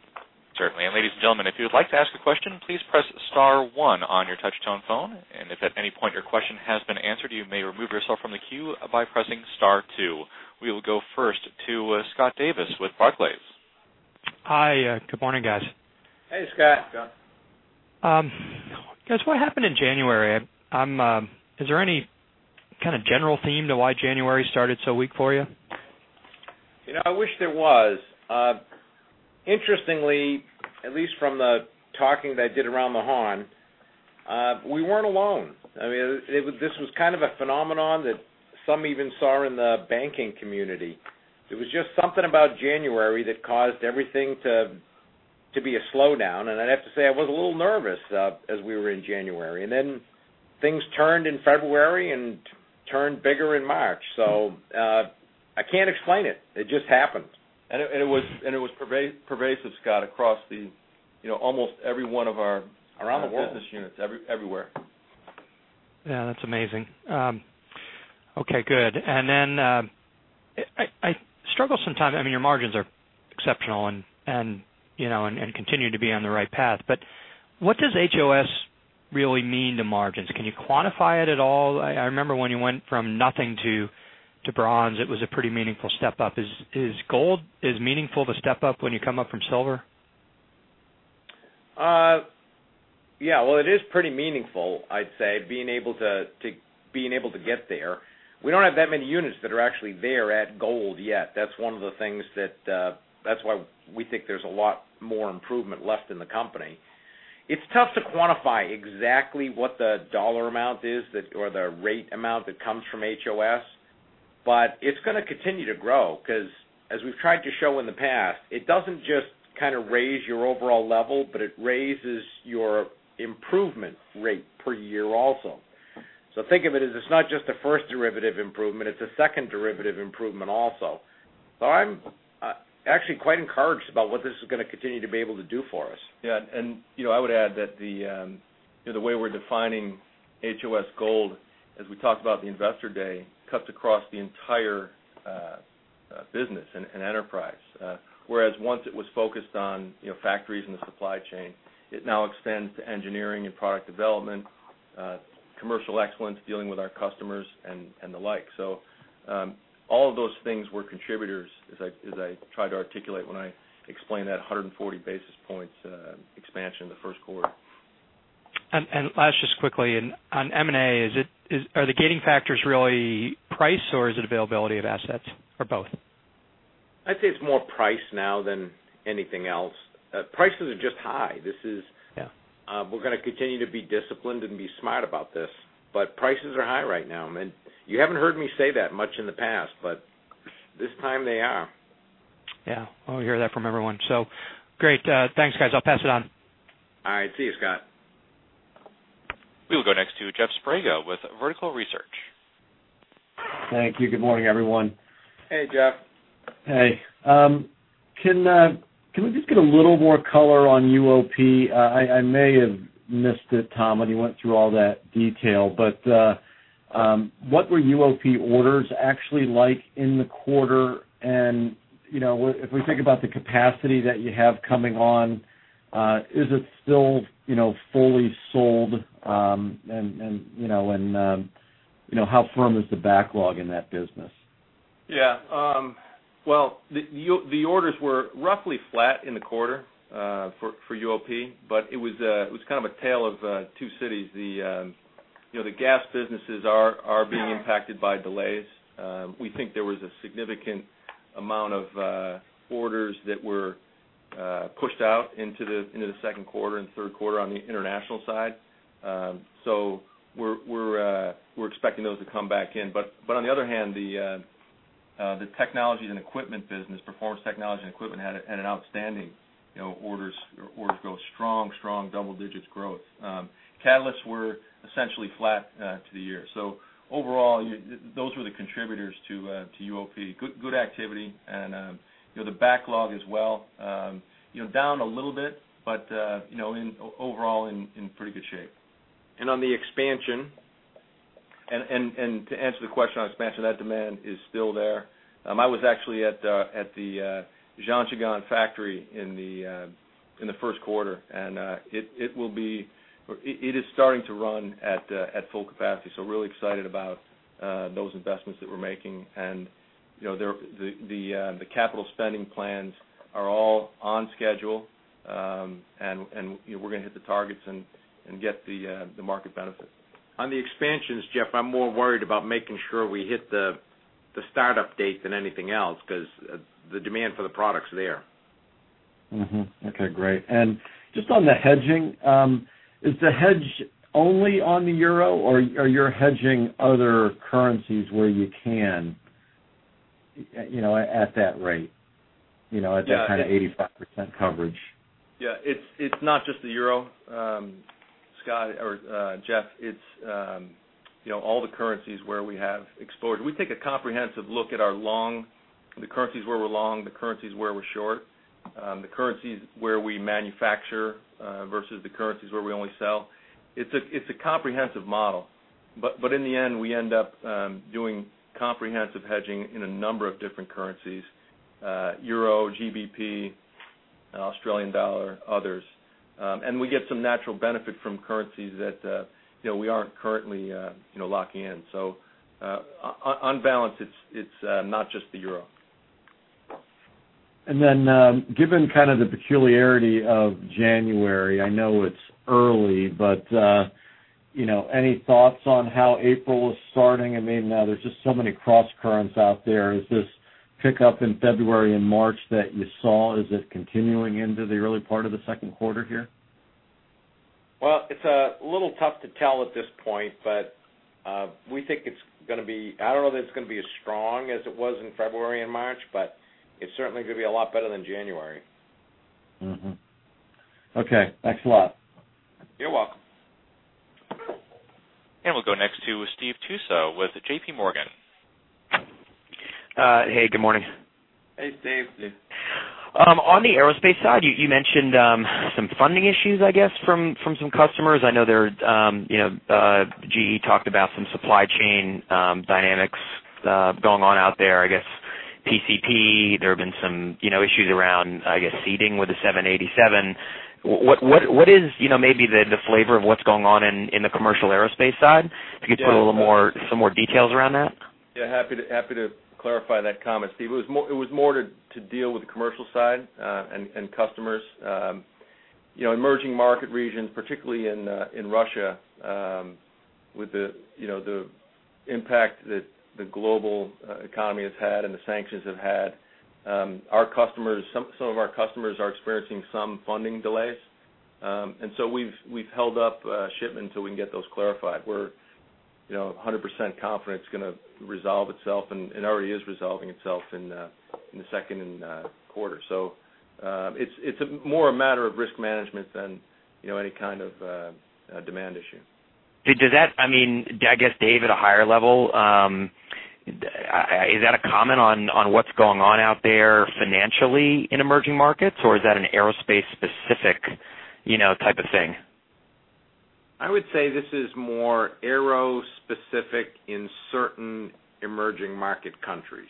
Certainly. Ladies and gentlemen, if you'd like to ask a question, please press *1 on your touch-tone phone, if at any point your question has been answered, you may remove yourself from the queue by pressing *2. We will go first to Scott Davis with Barclays. Hi. Good morning, guys. Hey, Scott. Hey, Scott. Guys, what happened in January? Is there any kind of general theme to why January started so weak for you? I wish there was. Interestingly, at least from the talking that I did around Mahón, we weren't alone. This was kind of a phenomenon that some even saw in the banking community. It was just something about January that caused everything to be a slowdown, I'd have to say I was a little nervous as we were in January. Things turned in February and turned bigger in March. I can't explain it. It just happened. It was pervasive, Scott, across almost every one of our business units. Everywhere. Yeah, that's amazing. Okay, good. I struggle sometimes. Your margins are exceptional and continue to be on the right path. What does HOS really mean to margins? Can you quantify it at all? I remember when you went from nothing to Bronze, it was a pretty meaningful step up. Is Gold as meaningful to step up when you come up from Silver? Well, it is pretty meaningful, I'd say, being able to get there. We don't have that many units that are actually there at Gold yet. That's why we think there's a lot more improvement left in the company. It's tough to quantify exactly what the dollar amount is or the rate amount that comes from HOS. It's going to continue to grow, because as we've tried to show in the past, it doesn't just raise your overall level, but it raises your improvement rate per year also. Think of it as it's not just a first derivative improvement, it's a second derivative improvement also. I'm actually quite encouraged about what this is going to continue to be able to do for us. I would add that the way we're defining HOS Gold, as we talked about at the Investor Day, cuts across the entire business and enterprise. Whereas once it was focused on factories and the supply chain, it now extends to engineering and product development, commercial excellence, dealing with our customers, and the like. All of those things were contributors as I tried to articulate when I explained that 140 basis points expansion in the first quarter. Last, just quickly, on M&A, are the gating factors really price, or is it availability of assets, or both? I'd say it's more price now than anything else. Prices are just high. Yeah. We're going to continue to be disciplined and be smart about this, but prices are high right now. You haven't heard me say that much in the past, but this time they are. Yeah. Well, we hear that from everyone. Great. Thanks, guys. I'll pass it on. All right. See you, Scott. We will go next to Jeff Sprague with Vertical Research. Thank you. Good morning, everyone. Hey, Jeff. Hey. Can we just get a little more color on UOP? I may have missed it, Tom, when you went through all that detail, but what were UOP orders actually like in the quarter? If we think about the capacity that you have coming on, is it still fully sold, and how firm is the backlog in that business? Yeah. Well, the orders were roughly flat in the quarter for UOP, but it was kind of a tale of two cities. The gas businesses are being impacted by delays. We think there was a significant amount of orders that were pushed out into the second quarter and third quarter on the international side. We're expecting those to come back in. On the other hand, the technology and equipment business, performance technology and equipment, had an outstanding orders growth, strong double-digits growth. Catalysts were essentially flat to the year. Overall, those were the contributors to UOP. Good activity, and the backlog as well. Down a little bit, but overall in pretty good shape. On the expansion, and to answer the question on expansion, that demand is still there. I was actually at the Zhangjiagang factory in the first quarter, and it is starting to run at full capacity. Really excited about those investments that we're making, and the capital spending plans are all on schedule. We're going to hit the targets and get the market benefit. On the expansions, Jeff, I'm more worried about making sure we hit the startup date than anything else, because the demand for the product's there. Okay, great. Just on the hedging, is the hedge only on the EUR, or you're hedging other currencies where you can at that rate, at that kind of 85% coverage? It's not just the EUR, Jeff, it's all the currencies where we have exposure. We take a comprehensive look at the currencies where we're long, the currencies where we're short, the currencies where we manufacture versus the currencies where we only sell. It's a comprehensive model, in the end, we end up doing comprehensive hedging in a number of different currencies, EUR, GBP, AUD, others. We get some natural benefit from currencies that we aren't currently locking in. On balance, it's not just the EUR. Given kind of the peculiarity of January, I know it's early, any thoughts on how April is starting? There's just so many crosscurrents out there. Is this pickup in February and March that you saw, is it continuing into the early part of the second quarter here? Well, it's a little tough to tell at this point, but I don't know that it's going to be as strong as it was in February and March, but it's certainly going to be a lot better than January. Okay, thanks a lot. You're welcome. We'll go next to Stephen Tusa with J.P. Morgan. Hey, good morning. Hey, Steve. On the Aerospace side, you mentioned some funding issues, I guess, from some customers. I know GE talked about some supply chain dynamics going on out there. PCP, there have been some issues around, I guess, seating with the 787. What is maybe the flavor of what's going on in the commercial Aerospace side? If you could put a little more, some more details around that. Yeah, happy to clarify that comment, Steve. It was more to deal with the commercial side and customers. Emerging market regions, particularly in Russia, with the impact that the global economy has had and the sanctions have had, some of our customers are experiencing some funding delays. We've held up shipment until we can get those clarified. We're 100% confident it's going to resolve itself, and it already is resolving itself in the second quarter. It's more a matter of risk management than any kind of a demand issue. I guess, Dave, at a higher level, is that a comment on what's going on out there financially in emerging markets, or is that an Aero specific type of thing? I would say this is more Aero specific in certain emerging market countries.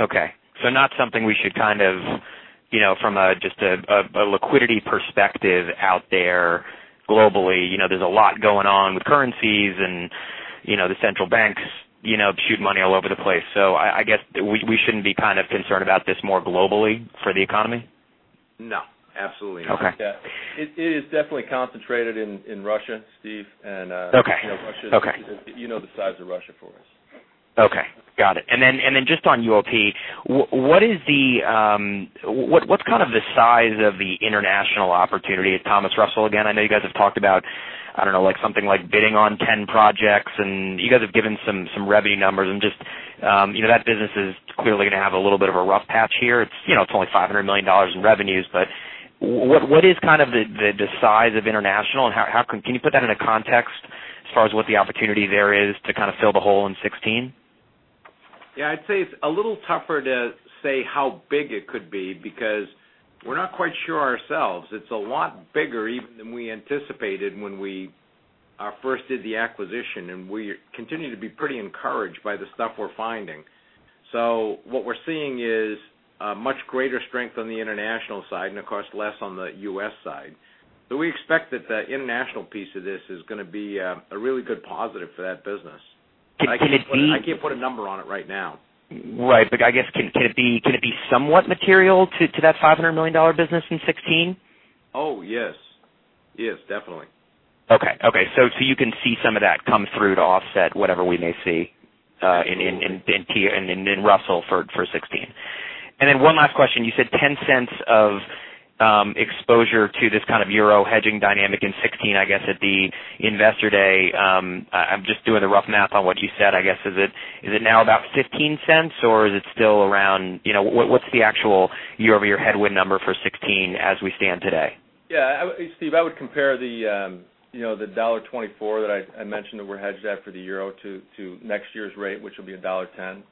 Okay. Not something we should, from just a liquidity perspective out there globally, there's a lot going on with currencies and the central banks shooting money all over the place. I guess we shouldn't be concerned about this more globally for the economy? No, absolutely not. Okay. It is definitely concentrated in Russia, Steve. Okay. You know the size of Russia for us. Okay. Got it. Then just on UOP, what's the size of the international opportunity at Thomas Russell again? I know you guys have talked about something like bidding on 10 projects, and you guys have given some revenue numbers and that business is clearly going to have a little bit of a rough patch here. It's only $500 million in revenues, but what is the size of international and can you put that into context as far as what the opportunity there is to fill the hole in 2016? Yeah, I'd say it's a little tougher to say how big it could be, because we're not quite sure ourselves. It's a lot bigger even than we anticipated when we first did the acquisition, and we continue to be pretty encouraged by the stuff we're finding. What we're seeing is a much greater strength on the international side and, of course, less on the U.S. side. We expect that the international piece of this is going to be a really good positive for that business. Can it be. I can't put a number on it right now. Right. I guess, can it be somewhat material to that $500 million business in 2016? Oh, yes. Definitely. You can see some of that come through to offset whatever we may see in Russell for 2016. One last question. You said $0.10 of exposure to this kind of euro hedging dynamic in 2016, I guess, at the Investor Day. I'm just doing the rough math on what you said. I guess, is it now about $0.15 or is it still around? What's the actual year-over-year headwind number for 2016 as we stand today? Yeah. Steve, I would compare the $1.24 that I mentioned that we're hedged at for the euro to next year's rate, which will be $1.10.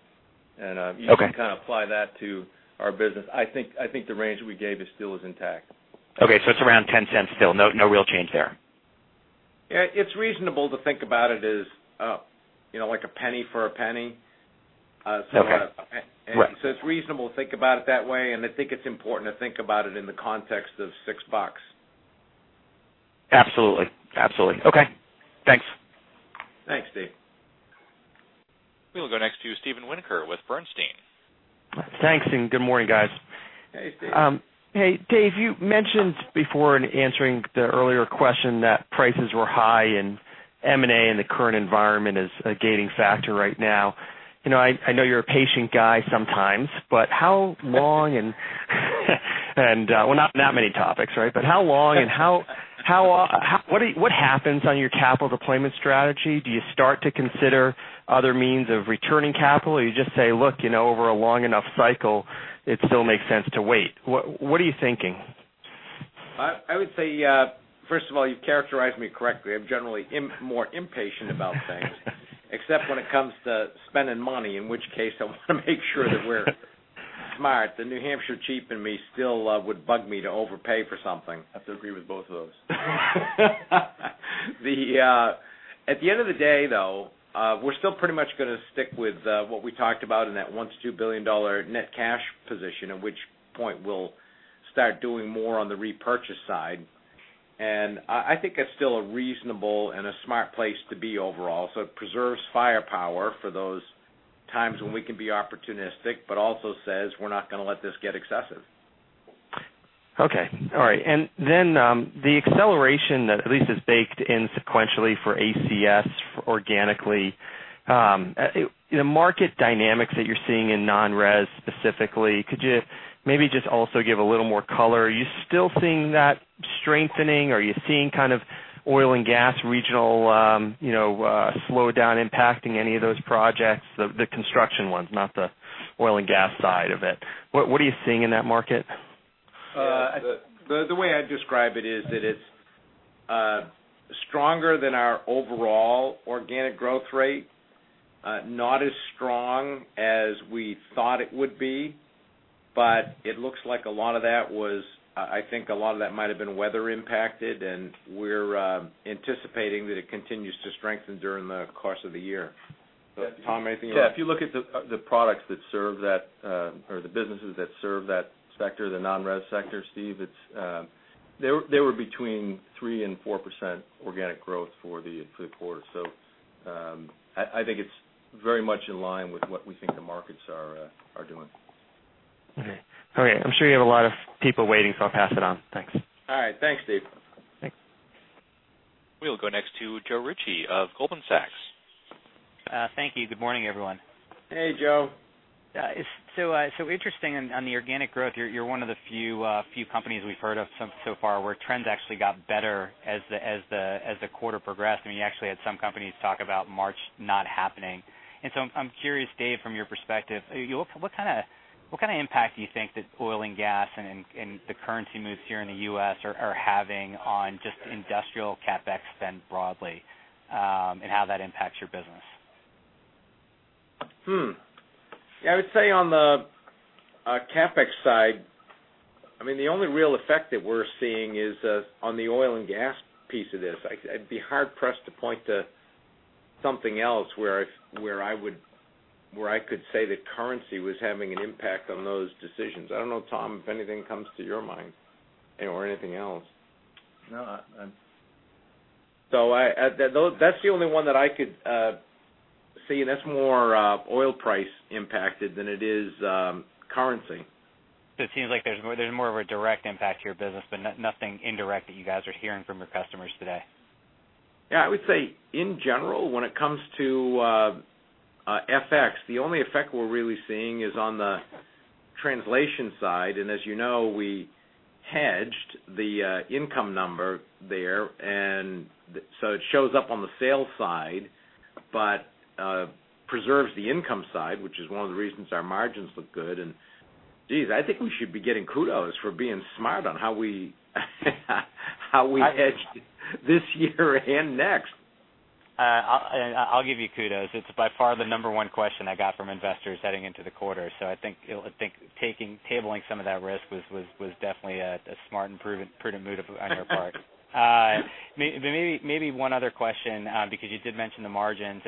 Okay. You can kind of apply that to our business. I think the range that we gave is still intact. It's around $0.10 still. No real change there. It's reasonable to think about it as like $0.01 for $0.01. Okay. Right. It's reasonable to think about it that way, and I think it's important to think about it in the context of $6. Absolutely. Okay, thanks. Thanks, Steve. We will go next to Steven Winoker with Bernstein. Thanks, good morning, guys. Hey, Steve. Hey, Dave, you mentioned before in answering the earlier question that prices were high in M&A, the current environment is a gating factor right now. I know you're a patient guy sometimes, how long and what happens on your capital deployment strategy? Do you start to consider other means of returning capital, or you just say, look, over a long enough cycle, it still makes sense to wait. What are you thinking? I would say, first of all, you've characterized me correctly. I'm generally more impatient about things, except when it comes to spending money, in which case I want to make sure that we're smart. The New Hampshire cheap in me still would bug me to overpay for something. I have to agree with both of those. At the end of the day, though, we're still pretty much going to stick with what we talked about in that $1 billion-$2 billion net cash position, at which point we'll start doing more on the repurchase side. I think that's still a reasonable and a smart place to be overall. It preserves firepower for those times when we can be opportunistic, but also says we're not going to let this get excessive. Okay. All right. The acceleration that at least is baked in sequentially for ACS organically. The market dynamics that you're seeing in non-res specifically, could you maybe just also give a little more color? Are you still seeing that strengthening? Are you seeing oil and gas regional slowdown impacting any of those projects? The construction ones, not the oil and gas side of it. What are you seeing in that market? The way I'd describe it is that it's stronger than our overall organic growth rate. Not as strong as we thought it would be, it looks like a lot of that might have been weather impacted, we're anticipating that it continues to strengthen during the course of the year. Tom, anything you want to? Yeah, if you look at the products that serve that or the businesses that serve that sector, the non-res sector, Steve, they were between 3% and 4% organic growth for the quarter. I think it's very much in line with what we think the markets are doing. Okay. I'm sure you have a lot of people waiting, so I'll pass it on. Thanks. All right. Thanks, Steve. Thanks. We'll go next to Joe Ritchie of Goldman Sachs. Thank you. Good morning, everyone. Hey, Joe. Yeah. Interesting on the organic growth, you're one of the few companies we've heard of so far where trends actually got better as the quarter progressed. You actually had some companies talk about March not happening. I'm curious, Dave, from your perspective, what kind of impact do you think that oil and gas and the currency moves here in the U.S. are having on just industrial CapEx spend broadly, and how that impacts your business? Yeah, I would say on the CapEx side, the only real effect that we're seeing is on the oil and gas piece of this. I'd be hard-pressed to point to something else where I could say that currency was having an impact on those decisions. I don't know, Tom, if anything comes to your mind or anything else. No. That's the only one that I could see, and that's more oil price impacted than it is currency. It seems like there's more of a direct impact to your business, but nothing indirect that you guys are hearing from your customers today. Yeah, I would say in general, when it comes to FX, the only effect we're really seeing is on the translation side. As you know, we hedged the income number there, and so it shows up on the sales side, but preserves the income side, which is one of the reasons our margins look good. Geez, I think we should be getting kudos for being smart on how we hedged this year and next. I'll give you kudos. It's by far the number one question I got from investors heading into the quarter. I think tabling some of that risk was definitely a smart and prudent move on your part. Maybe one other question, because you did mention the margins.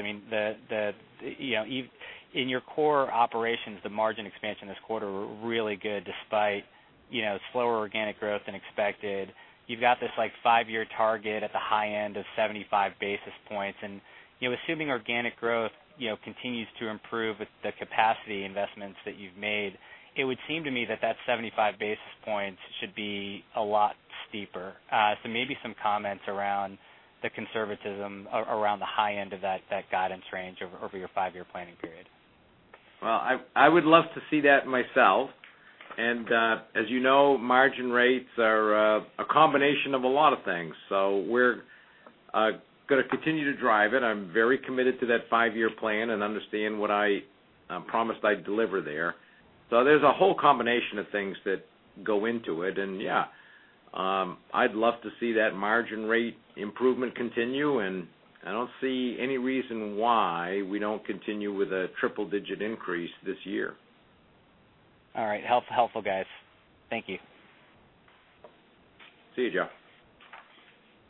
In your core operations, the margin expansion this quarter was really good despite slower organic growth than expected. You've got this five-year target at the high end of 75 basis points, and assuming organic growth continues to improve with the capacity investments that you've made, it would seem to me that that 75 basis points should be a lot steeper. Maybe some comments around the conservatism around the high end of that guidance range over your five-year planning period. Well, I would love to see that myself. As you know, margin rates are a combination of a lot of things. We're going to continue to drive it. I'm very committed to that five-year plan and understand what I promised I'd deliver there. There's a whole combination of things that go into it, and yeah, I'd love to see that margin rate improvement continue, and I don't see any reason why we don't continue with a triple-digit increase this year. All right. Helpful, guys. Thank you. See you, Joe.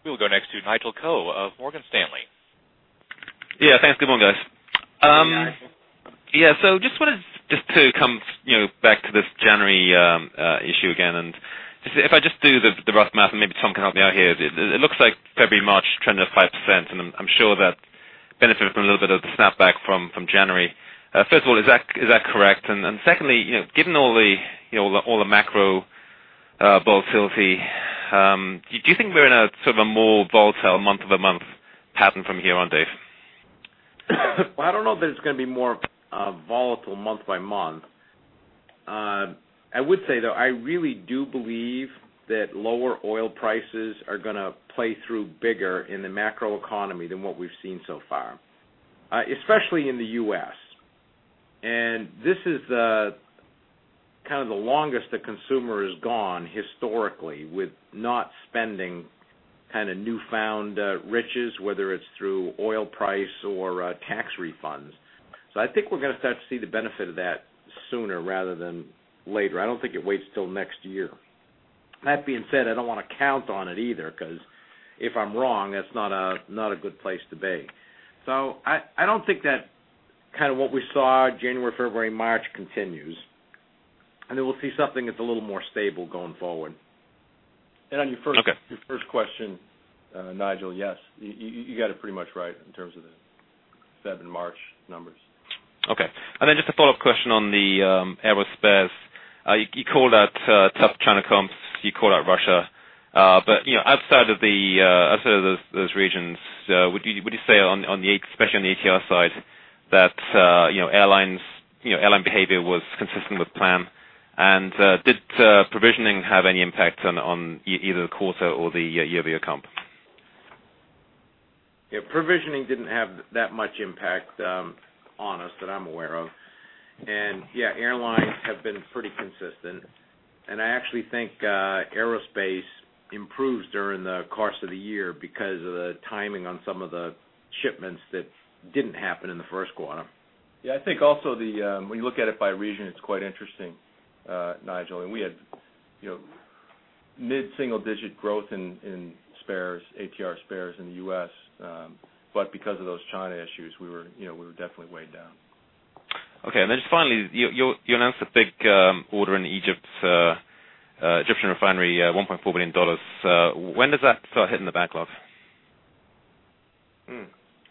We will go next to Nigel Coe of Morgan Stanley. Yeah, thanks. Good morning, guys. Hey, Nigel. Yeah, just wanted to come back to this January issue again, and if I just do the rough math, and maybe Tom can help me out here, it looks like February, March trended up 5%, and I'm sure that benefited from a little bit of the snapback from January. First of all, is that correct? Secondly, given all the macro volatility, do you think we're in a more volatile month-over-month pattern from here on, Dave? Well, I don't know that it's going to be more volatile month by month. I would say, though, I really do believe that lower oil prices are going to play through bigger in the macro economy than what we've seen so far, especially in the U.S. This is the longest a consumer has gone historically with not spending newfound riches, whether it's through oil price or tax refunds. I think we're going to start to see the benefit of that sooner rather than later. I don't think it waits till next year. That being said, I don't want to count on it either, because if I'm wrong, that's not a good place to be. I don't think that what we saw January, February, March continues, and then we'll see something that's a little more stable going forward. Okay. On your first question, Nigel, yes, you got it pretty much right in terms of the Feb and March numbers. Okay. Just a follow-up question on the Aerospace. You called out tough China comps, you called out Russia. Outside of those regions, would you say, especially on the ATR side, that airline behavior was consistent with plan? Did provisioning have any impact on either the quarter or the year-over-year comp? Yeah, provisioning didn't have that much impact on us that I'm aware of. Yeah, airlines have been pretty consistent. I actually think Aerospace improves during the course of the year because of the timing on some of the shipments that didn't happen in the first quarter. Yeah, I think also when you look at it by region, it's quite interesting, Nigel. We had mid-single-digit growth in ATR spares in the U.S. Because of those China issues, we were definitely weighed down. Okay. Just finally, you announced a big order in the Egyptian refinery, $1.4 billion. When does that start hitting the backlog?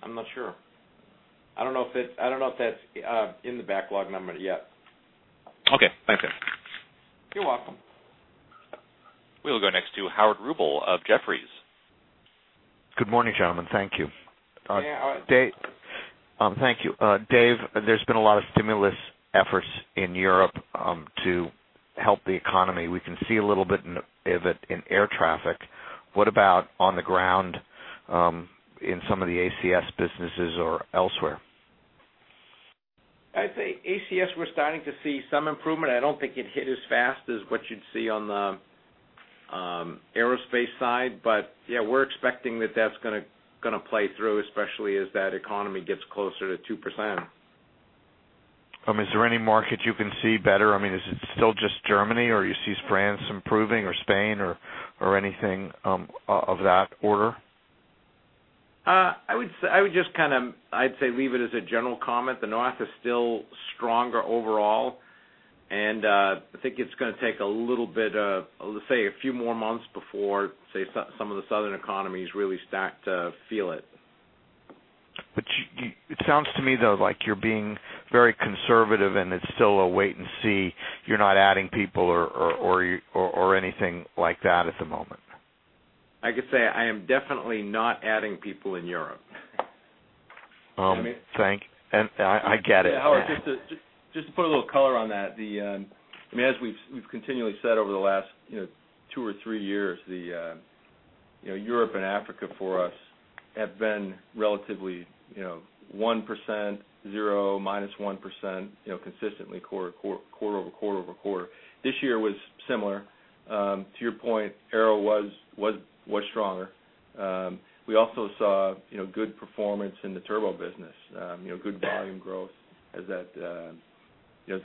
I'm not sure. I don't know if that's in the backlog number yet. Okay. Thanks, Dave. You're welcome. We will go next to Howard Rubel of Jefferies. Good morning, gentlemen. Thank you. Yeah. Thank you. Dave, there's been a lot of stimulus efforts in Europe to help the economy. We can see a little bit of it in air traffic. What about on the ground in some of the ACS businesses or elsewhere? I'd say ACS, we're starting to see some improvement. I don't think it hit as fast as what you'd see on the Aerospace side. Yeah, we're expecting that's going to play through, especially as that economy gets closer to 2%. Is there any market you can see better? Is it still just Germany, or you see France improving or Spain or anything of that order? I would say leave it as a general comment. The North is still stronger overall, and I think it's going to take a little bit of, let's say, a few more months before some of the southern economies really start to feel it. It sounds to me, though, like you're being very conservative and it's still a wait-and-see. You're not adding people or anything like that at the moment. I could say I am definitely not adding people in Europe. Thank. I get it. Yeah, Howard, just to put a little color on that. As we've continually said over the last two or three years, Europe and Africa for us have been relatively 1%, zero%, -1%, consistently quarter-over-quarter-over-quarter. This year was similar. To your point, Aero was stronger. We also saw good performance in the turbo business. Good volume growth as the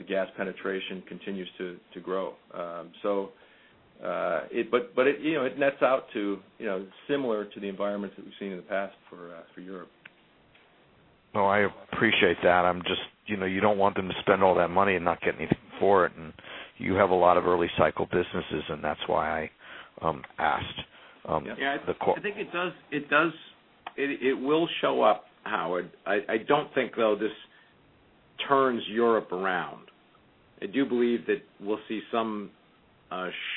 gas penetration continues to grow. It nets out to similar to the environments that we've seen in the past for Europe. I appreciate that. You don't want them to spend all that money and not get anything for it, and you have a lot of early cycle businesses, and that's why I asked. Yeah, I think it will show up, Howard. I don't think, though, this turns Europe around. I do believe that we'll see some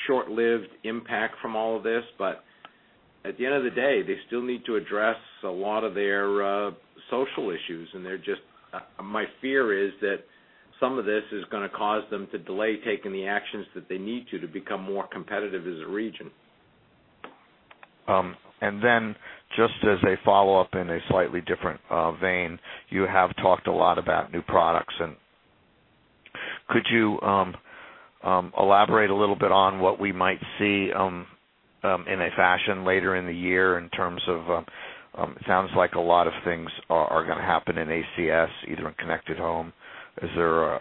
short-lived impact from all of this, but at the end of the day, they still need to address a lot of their social issues. My fear is that some of this is going to cause them to delay taking the actions that they need to become more competitive as a region. Just as a follow-up in a slightly different vein, you have talked a lot about new products. Could you elaborate a little bit on what we might see in a fashion later in the year in terms of it sounds like a lot of things are going to happen in ACS, either in Connected Home. As you're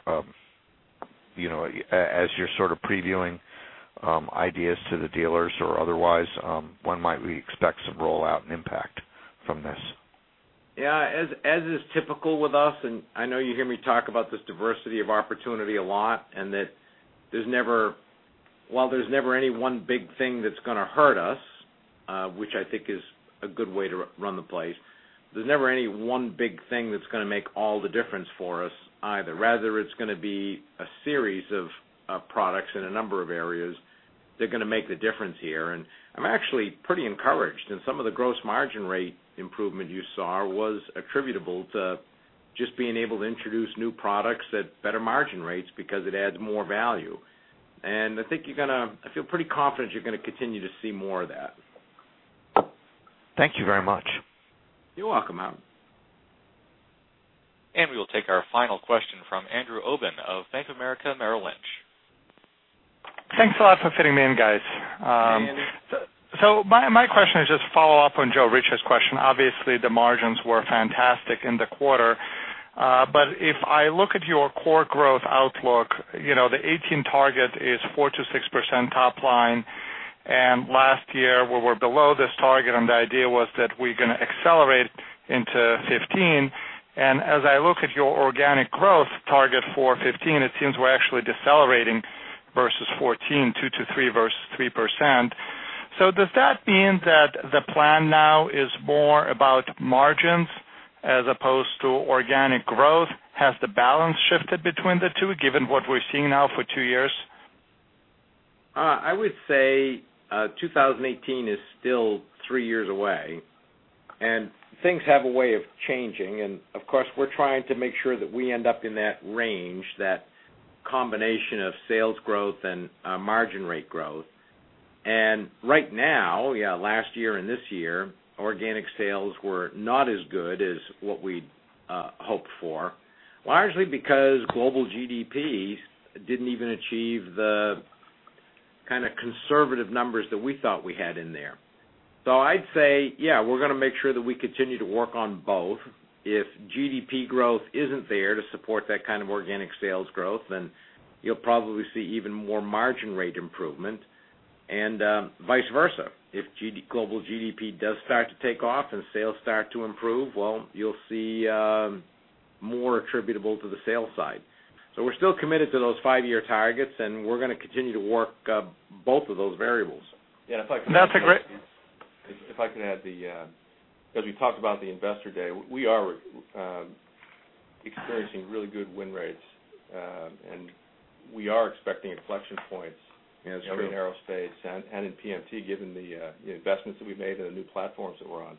sort of previewing ideas to the dealers or otherwise, when might we expect some rollout and impact from this? Yeah, as is typical with us, I know you hear me talk about this diversity of opportunity a lot, that while there's never any one big thing that's going to hurt us, which I think is a good way to run the place, there's never any one big thing that's going to make all the difference for us either. Rather, it's going to be a series of products in a number of areas that are going to make the difference here. I'm actually pretty encouraged. Some of the gross margin rate improvement you saw was attributable to just being able to introduce new products at better margin rates because it adds more value. I feel pretty confident you're going to continue to see more of that. Thank you very much. You're welcome, Howard. We will take our final question from Andrew Obin of Bank of America Merrill Lynch. Thanks a lot for fitting me in, guys. Hey, Andy. My question is just follow up on Joe Ritchie's question. Obviously, the margins were fantastic in the quarter. If I look at your core growth outlook, the 2018 target is 4%-6% top line. Last year, we were below this target, and the idea was that we're going to accelerate into 2015. As I look at your organic growth target for 2015, it seems we're actually decelerating versus 2014, 2%-3% versus 3%. Does that mean that the plan now is more about margins as opposed to organic growth? Has the balance shifted between the two, given what we're seeing now for two years? I would say 2018 is still three years away, and things have a way of changing. Of course, we're trying to make sure that we end up in that range, that combination of sales growth and margin rate growth. Right now, last year and this year, organic sales were not as good as what we'd hoped for, largely because global GDP didn't even achieve the kind of conservative numbers that we thought we had in there. I'd say, yeah, we're going to make sure that we continue to work on both. If GDP growth isn't there to support that kind of organic sales growth, then you'll probably see even more margin rate improvement and vice versa. If global GDP does start to take off and sales start to improve, well, you'll see more attributable to the sales side. We're still committed to those five-year targets, and we're going to continue to work both of those variables. Yeah, if I can add, as we talked about at the Investor Day, we are experiencing really good win rates. We are expecting inflection points. Yeah, that's true in Aerospace and in PMT, given the investments that we've made and the new platforms that we're on.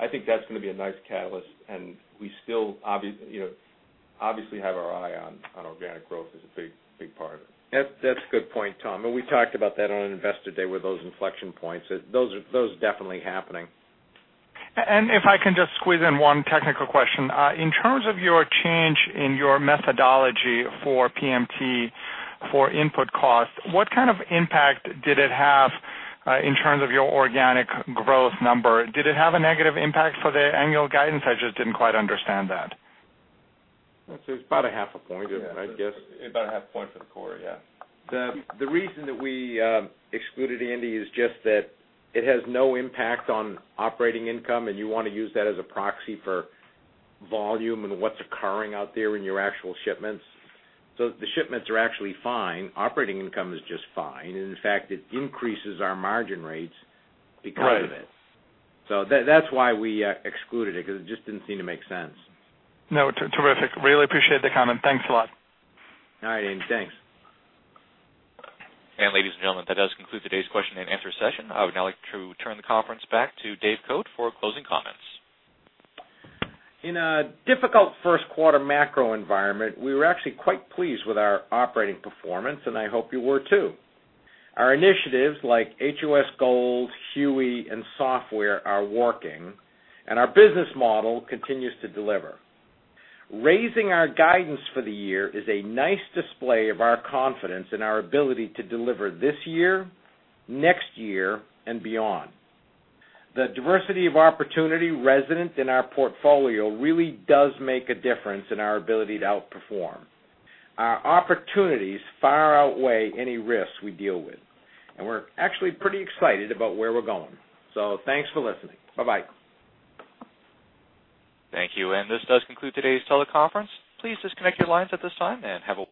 I think that's going to be a nice catalyst, and we still obviously have our eye on organic growth as a big part of it. That's a good point, Tom. We talked about that on Investor Day with those inflection points. Those are definitely happening. If I can just squeeze in one technical question. In terms of your change in your methodology for PMT for input costs, what kind of impact did it have in terms of your organic growth number? Did it have a negative impact for the annual guidance? I just didn't quite understand that. It's about a half a point, I guess. About a half a point for the quarter, yeah. The reason that we excluded, Andy, is just that it has no impact on operating income, and you want to use that as a proxy for volume and what's occurring out there in your actual shipments. The shipments are actually fine. Operating income is just fine. In fact, it increases our margin rates because of it. Right. That's why we excluded it, because it just didn't seem to make sense. No, terrific. Really appreciate the comment. Thanks a lot. All right, Andy. Thanks. Ladies and gentlemen, that does conclude today's question and answer session. I would now like to turn the conference back to Dave Cote for closing comments. In a difficult first quarter macro environment, we were actually quite pleased with our operating performance, and I hope you were, too. Our initiatives, like HOS Gold, HUE, and software are working, and our business model continues to deliver. Raising our guidance for the year is a nice display of our confidence in our ability to deliver this year, next year, and beyond. The diversity of opportunity resident in our portfolio really does make a difference in our ability to outperform. Our opportunities far outweigh any risks we deal with, and we're actually pretty excited about where we're going. Thanks for listening. Bye-bye. Thank you. This does conclude today's teleconference. Please disconnect your lines at this time.